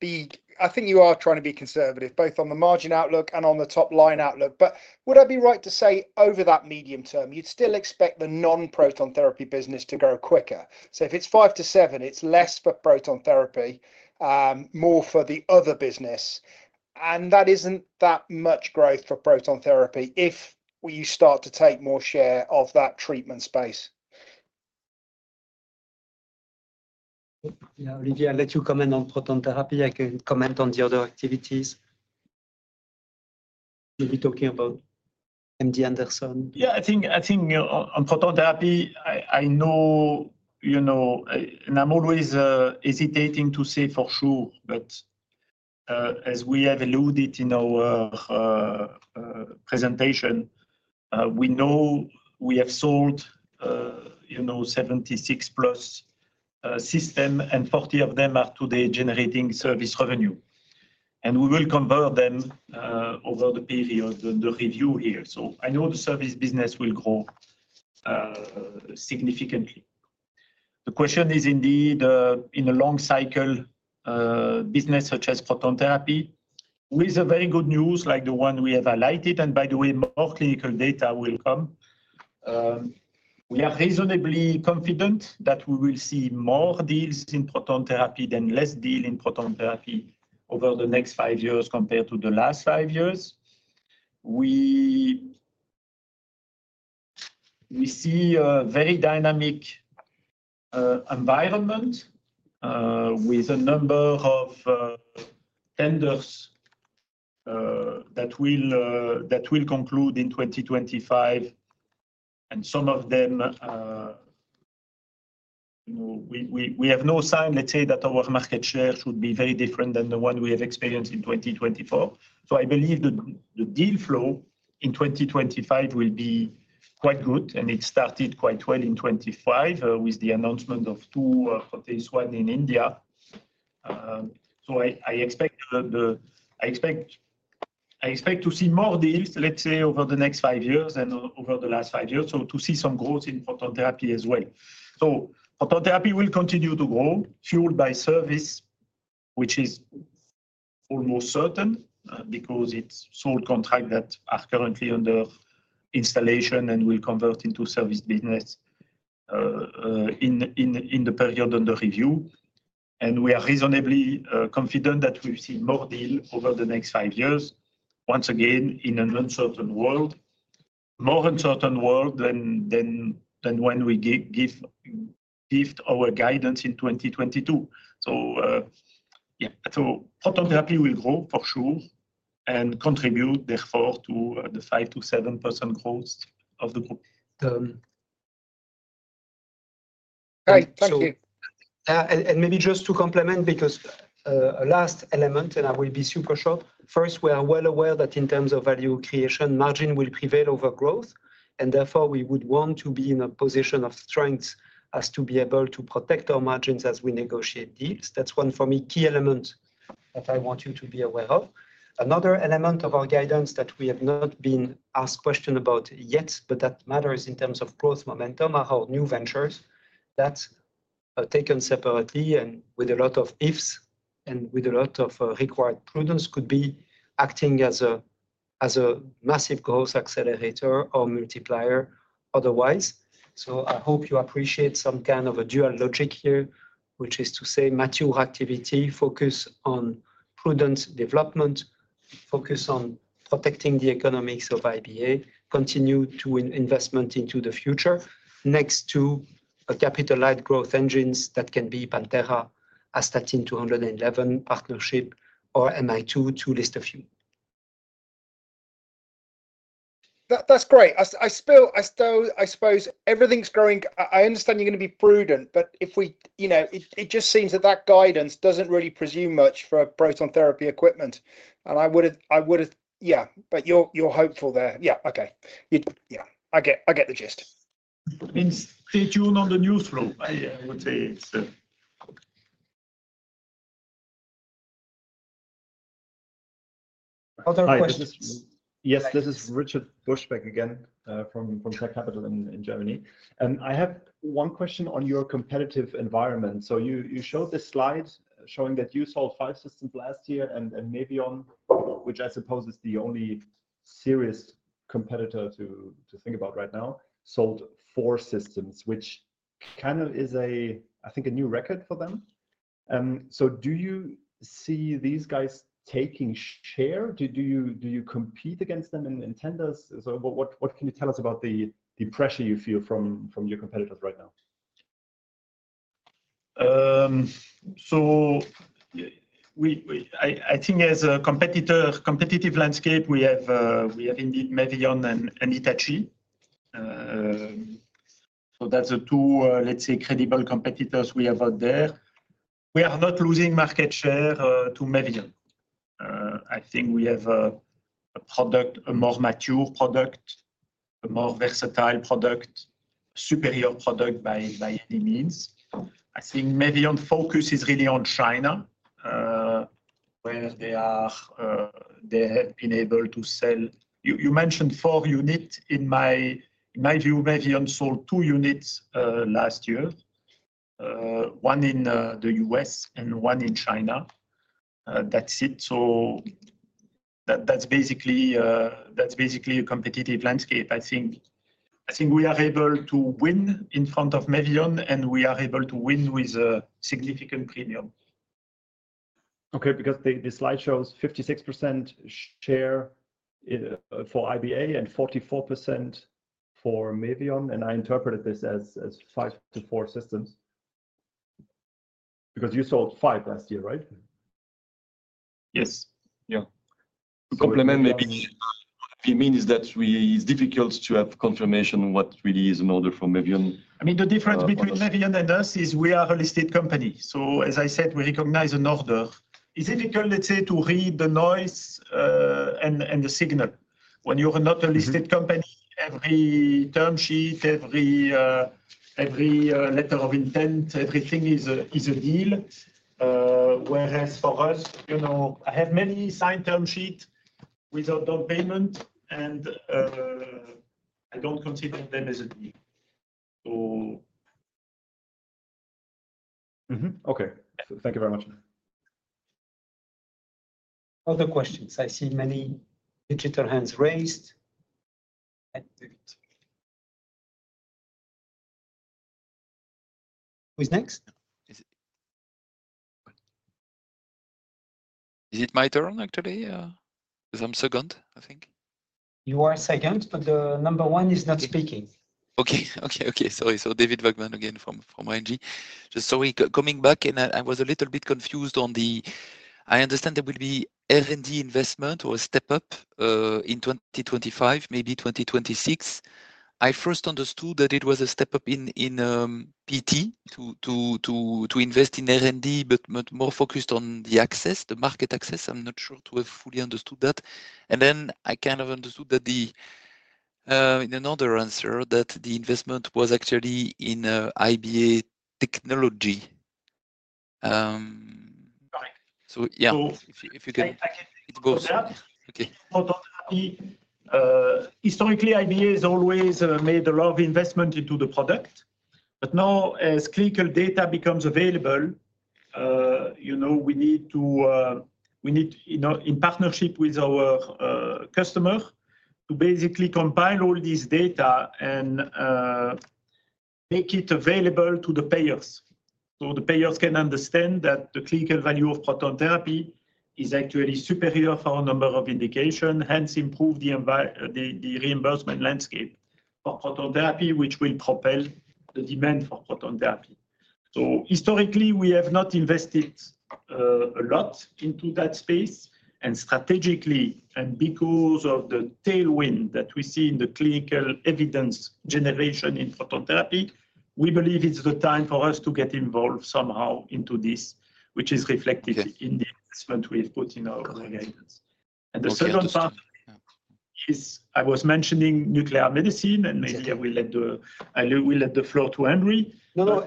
be, I think you are trying to be conservative, both on the margin outlook and on the top-line outlook. Would I be right to say over that medium term, you'd still expect the non-proton therapy business to grow quicker? If it's 5-7%, it's less for proton therapy, more for the other business. That isn't that much growth for proton therapy if you start to take more share of that treatment space. Olivier, I'll let you comment on proton therapy. I can comment on the other activities. You'll be talking about MD Anderson. Yeah, I think on proton therapy, I know and I'm always hesitating to say for sure. As we have alluded in our presentation, we know we have sold 76-plus systems, and 40 of them are today generating service revenue. We will convert them over the period of the review here. I know the service business will grow significantly. The question is indeed, in a long-cycle business such as proton therapy, with the very good news like the one we have highlighted, and by the way, more clinical data will come, we are reasonably confident that we will see more deals in proton therapy than less deals in proton therapy over the next five years compared to the last five years. We see a very dynamic environment with a number of tenders that will conclude in 2025. Some of them, we have no sign, let's say, that our market share should be very different than the one we have experienced in 2024. I believe the deal flow in 2025 will be quite good. It started quite well in 2025 with the announcement of two of these ones in India. I expect to see more deals, let's say, over the next five years and over the last five years, to see some growth in proton therapy as well. Proton therapy will continue to grow, fueled by service, which is almost certain because it's sold contracts that are currently under installation and will convert into service business in the period under review. We are reasonably confident that we've seen more deals over the next five years, once again, in an uncertain world, more uncertain world than when we gave our guidance in 2022. Proton therapy will grow for sure and contribute, therefore, to the 5-7% growth of the group. All right. Thank you. Maybe just to complement, because last element, and I will be super short, first, we are well aware that in terms of value creation, margin will prevail over growth. Therefore, we would want to be in a position of strength as to be able to protect our margins as we negotiate deals. That is one for me, key element that I want you to be aware of. Another element of our guidance that we have not been asked questions about yet, but that matters in terms of growth momentum are our new ventures that are taken separately and with a lot of ifs and with a lot of required prudence could be acting as a massive growth accelerator or multiplier otherwise. I hope you appreciate some kind of a dual logic here, which is to say mature activity, focus on prudent development, focus on protecting the economics of IBA, continue to invest into the future next to capitalized growth engines that can be Pantera, Astatine-211 partnership, or MI2, to list a few. That's great. I suppose everything's growing. I understand you're going to be prudent, but it just seems that that guidance doesn't really presume much for proton therapy equipment. I would have, yeah, but you're hopeful there. Yeah. Okay. Yeah. I get the gist. It's staytuned on the news flow. I would say it's the. Other questions? Yes, this is Richard Buschbeck again from TEQ Capital in Germany. I have one question on your competitive environment. You showed this slide showing that you sold five systems last year and Mevion, which I suppose is the only serious competitor to think about right now, sold four systems, which kind of is, I think, a new record for them. Do you see these guys taking share? Do you compete against them in tenders? What can you tell us about the pressure you feel from your competitors right now? I think as a competitive landscape, we have indeed Mevion and Hitachi. That's the two, let's say, credible competitors we have out there. We are not losing market share to Mevion. I think we have a product, a more mature product, a more versatile product, superior product by any means. I think Mevion's focus is really on China, where they have been able to sell. You mentioned four units. In my view, Mevion sold two units last year, one in the U.S. and one in China. That's it. So that's basically a competitive landscape. I think we are able to win in front of Mevion, and we are able to win with a significant premium. Okay. Because the slide shows 56% share for IBA and 44% for Mevion. And I interpreted this as five to four systems because you sold five last year, right? Yes. Yeah. To complement, maybe what you mean is that it's difficult to have confirmation of what really is an order from Mevion. I mean, the difference between Mevion and us is we are a listed company. As I said, we recognize an order. It's difficult, let's say, to read the noise and the signal. When you're not a listed company, every term sheet, every letter of intent, everything is a deal. Whereas for us, I have many signed term sheets without down payment, and I don't consider them as a deal. Thank you very much. Other questions. I see many digital hands raised. Who's next? Is it my turn, actually? Because I'm second, I think. You are second, but the number one is not speaking. Sorry. David Vagman again from R&G. Just sorry. Coming back, and I was a little bit confused on the I understand there will be R&D investment or a step-up in 2025, maybe 2026. I first understood that it was a step-up in PT to invest in R&D, but more focused on the access, the market access. I'm not sure to have fully understood that. I kind of understood that in another answer, that the investment was actually in IBA technology. Correct. If you can. It goes. Okay. Proton therapy, historically, IBA has always made a lot of investment into the product. Now, as clinical data becomes available, we need to, in partnership with our customer, basically compile all this data and make it available to the payers so the payers can understand that the clinical value of proton therapy is actually superior for a number of indications, hence improve the reimbursement landscape for proton therapy, which will propel the demand for proton therapy. Historically, we have not invested a lot into that space. Strategically, and because of the tailwind that we see in the clinical evidence generation in proton therapy, we believe it's the time for us to get involved somehow into this, which is reflected in the investment we've put in our guidance. The second part is I was mentioning nuclear medicine, and maybe I will let the floor to Henri. No, no.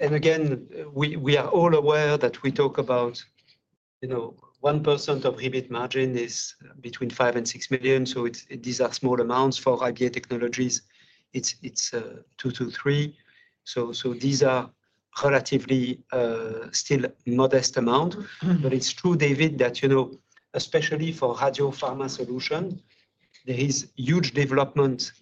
Again, we are all aware that we talk about 1% of REBIT margin is between €5 million-€6 million. These are small amounts. For IBA technologies, it's €2 million-€3 million. These are relatively still modest amounts. It's true, David, that especially for radiopharma solutions, there is huge development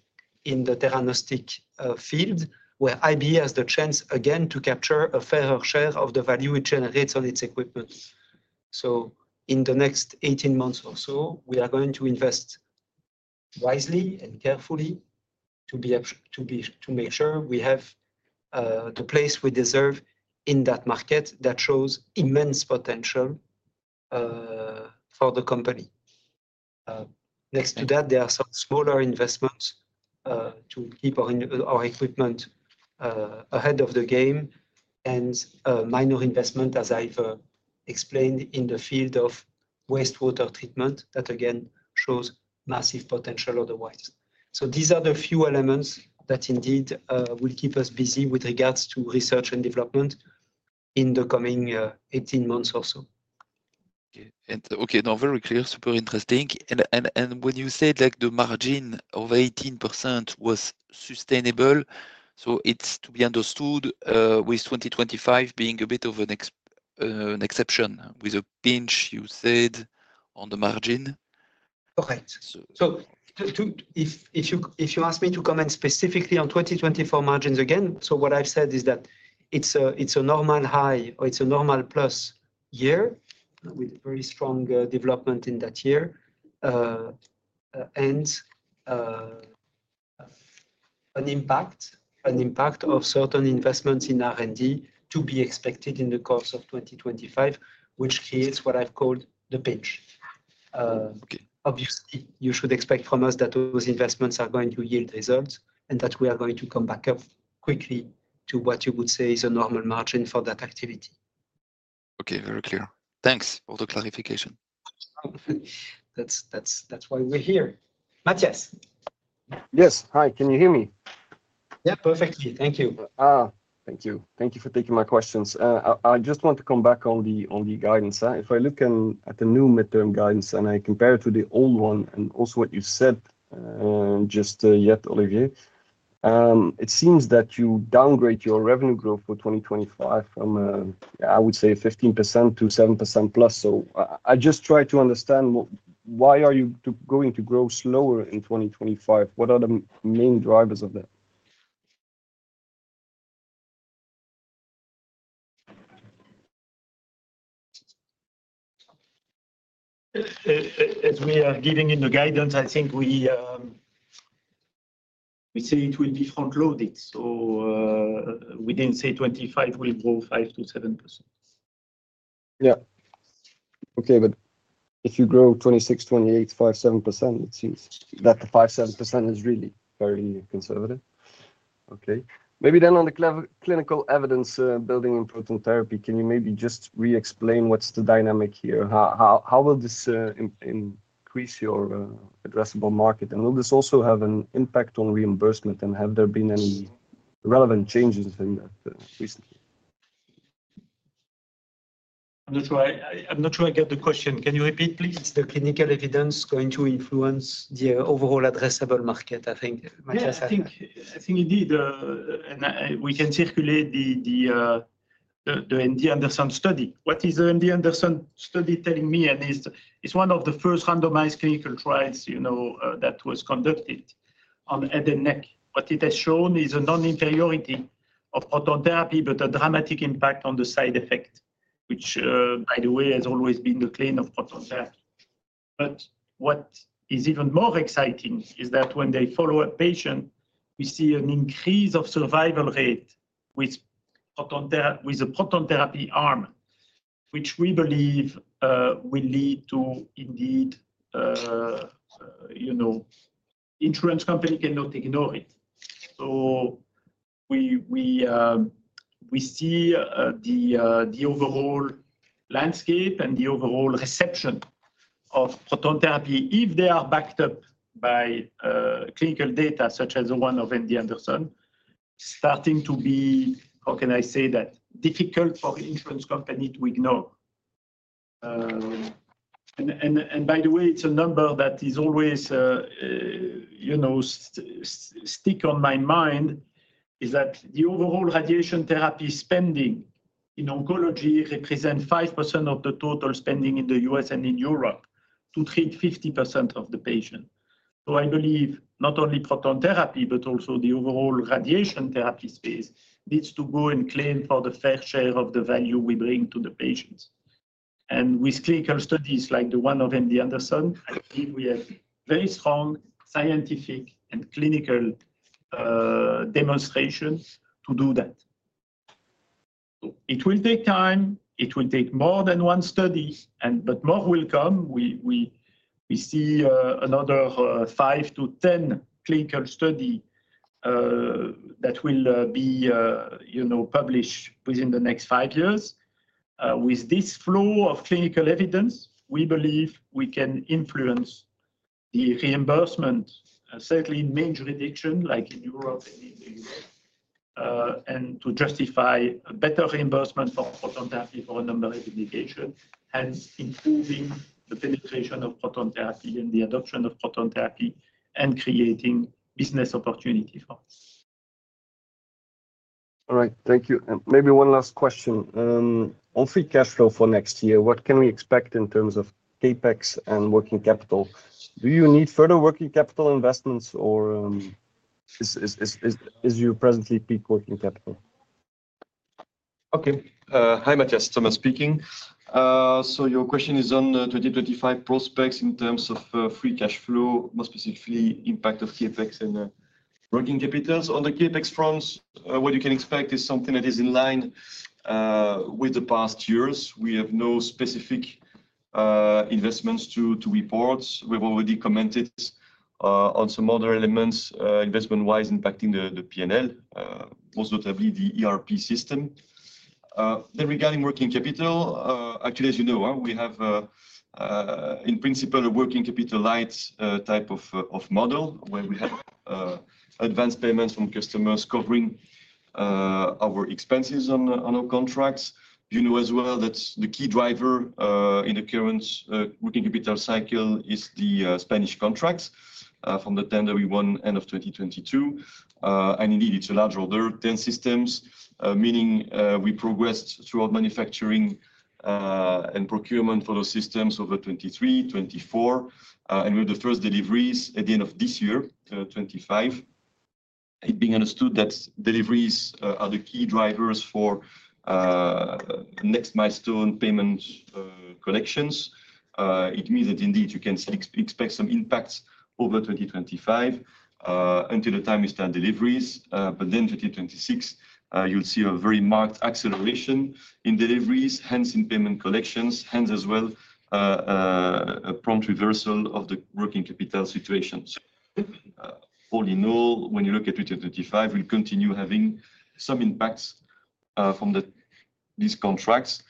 in the theranostic field where IBA has the chance, again, to capture a fairer share of the value it generates on its equipment. In the next 18 months or so, we are going to invest wisely and carefully to make sure we have the place we deserve in that market that shows immense potential for the company. Next to that, there are some smaller investments to keep our equipment ahead of the game and minor investment, as I've explained, in the field of wastewater treatment that, again, shows massive potential otherwise. These are the few elements that indeed will keep us busy with regards to research and development in the coming 18 months or so. Okay. Okay. No, very clear. Super interesting. When you said the margin of 18% was sustainable, it is to be understood with 2025 being a bit of an exception with a pinch, you said, on the margin. Correct. If you ask me to comment specifically on 2024 margins again, what I've said is that it's a normal high or it's a normal plus year with very strong development in that year and an impact of certain investments in R&D to be expected in the course of 2025, which creates what I've called the pinch. Obviously, you should expect from us that those investments are going to yield results and that we are going to come back up quickly to what you would say is a normal margin for that activity. Okay. Very clear. Thanks for the clarification. That's why we're here. Matthias. Yes. Hi. Can you hear me? Yeah, perfectly. Thank you. Thank you. Thank you for taking my questions. I just want to come back on the guidance. If I look at the new midterm guidance and I compare it to the old one and also what you said just yet, Olivier, it seems that you downgrade your revenue growth for 2025 from, I would say, 15% to 7% plus. I just try to understand why are you going to grow slower in 2025? What are the main drivers of that? As we are giving in the guidance, I think we say it will be front-loaded. Within, say, 2025, we will grow 5-7%. Yeah. Okay. If you grow 2026-2028, 5-7%, it seems that the 5-7% is really fairly conservative. Okay. Maybe on the clinical evidence building in proton therapy, can you maybe just re-explain what is the dynamic here? How will this increase your addressable market? Will this also have an impact on reimbursement? Have there been any relevant changes in that recently? I'm not sure I get the question. Can you repeat, please? Is the clinical evidence going to influence the overall addressable market, I think? Yeah. I think indeed. We can circulate the MD Anderson study. What is the MD Anderson study telling me? It is one of the first randomized clinical trials that was conducted on head and neck. What it has shown is a non-inferiority of proton therapy, but a dramatic impact on the side effect, which, by the way, has always been the claim of proton therapy. What is even more exciting is that when they follow a patient, we see an increase of survival rate with a proton therapy arm, which we believe will lead to indeed insurance companies cannot ignore it. We see the overall landscape and the overall reception of proton therapy, if they are backed up by clinical data such as the one of MD Anderson, starting to be, how can I say that, difficult for insurance companies to ignore. By the way, a number that is always sticking on my mind is that the overall radiation therapy spending in oncology represents 5% of the total spending in the U.S. and in Europe to treat 50% of the patient. I believe not only proton therapy, but also the overall radiation therapy space needs to go and claim for the fair share of the value we bring to the patients. With clinical studies like the one of MD Anderson, I believe we have very strong scientific and clinical demonstrations to do that. It will take time. It will take more than one study, but more will come. We see another 5-10 clinical studies that will be published within the next five years. With this flow of clinical evidence, we believe we can influence the reimbursement, certainly major reduction like in Europe and in the U.S., and to justify a better reimbursement for proton therapy for a number of indications, hence improving the penetration of proton therapy and the adoption of proton therapy and creating business opportunity for us. All right. Thank you. Maybe one last question. On free cash flow for next year, what can we expect in terms of CapEx and working capital? Do you need further working capital investments, or is your presently peak working capital? Okay. Hi, Mathias. Thomas speaking. Your question is on 2025 prospects in terms of free cash flow, more specifically impact of CapEx and working capital. On the CapEx front, what you can expect is something that is in line with the past years. We have no specific investments to report. We have already commented on some other elements investment-wise impacting the P&L, most notably the ERP system. Regarding working capital, actually, as you know, we have in principle a working capital-light type of model where we have advanced payments from customers covering our expenses on our contracts. You know as well that the key driver in the current working capital cycle is the Spanish contracts from the tender we won end of 2022. Indeed, it is a large order, 10 systems, meaning we progressed throughout manufacturing and procurement for those systems over 2023, 2024. With the first deliveries at the end of this year, 2025, it being understood that deliveries are the key drivers for next milestone payment collections. It means that indeed you can expect some impacts over 2025 until the time you start deliveries. Then 2026, you'll see a very marked acceleration in deliveries, hence in payment collections, hence as well a prompt reversal of the working capital situation. All in all, when you look at 2025, we'll continue having some impacts from these contracts.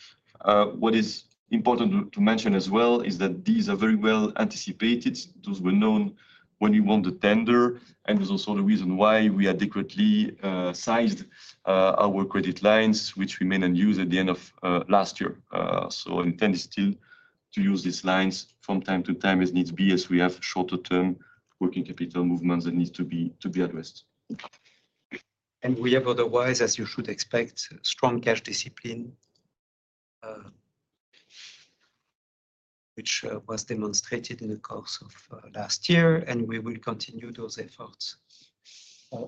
What is important to mention as well is that these are very well anticipated. Those were known when we won the tender. It was also the reason why we adequately sized our credit lines, which we mainly used at the end of last year. The intent is still touse these lines from time to time as needs be as we have shorter-term working capital movements that need to be addressed. We have otherwise, as you should expect, strong cash discipline, which was demonstrated in the course of last year. We will continue those efforts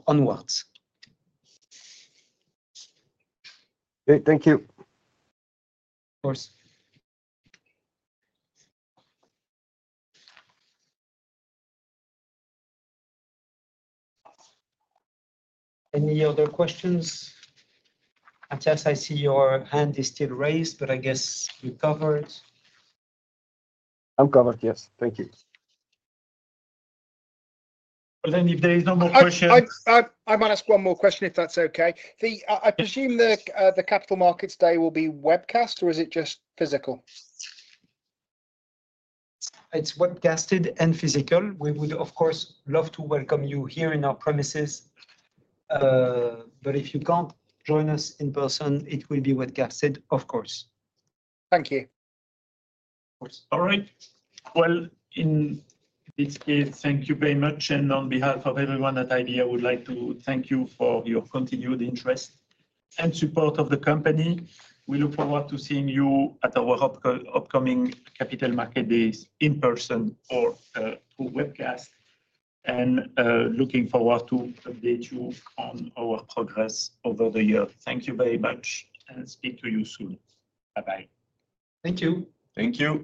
onwards. Okay. Thank you. Of course. Any other questions? Matthias, I see your hand is still raised, but I guess you are covered. I'm covered, yes. Thank you. If there are no more questions, I might ask one more question if that's okay. I presume the capital markets day will be webcast, or is it just physical? It's webcasted and physical. We would, of course, love to welcome you here in our premises. If you can't join us in person, it will be webcasted, of course. Thank you. All right. Thank you very much. On behalf of everyone at IBA, I would like to thank you for your continued interest and support of the company. We look forward to seeing you at our upcoming capital market days in person or through webcast. We look forward to update you on our progress over the year. Thank you very much. Speak to you soon. Bye-bye. Thank you. Thank you.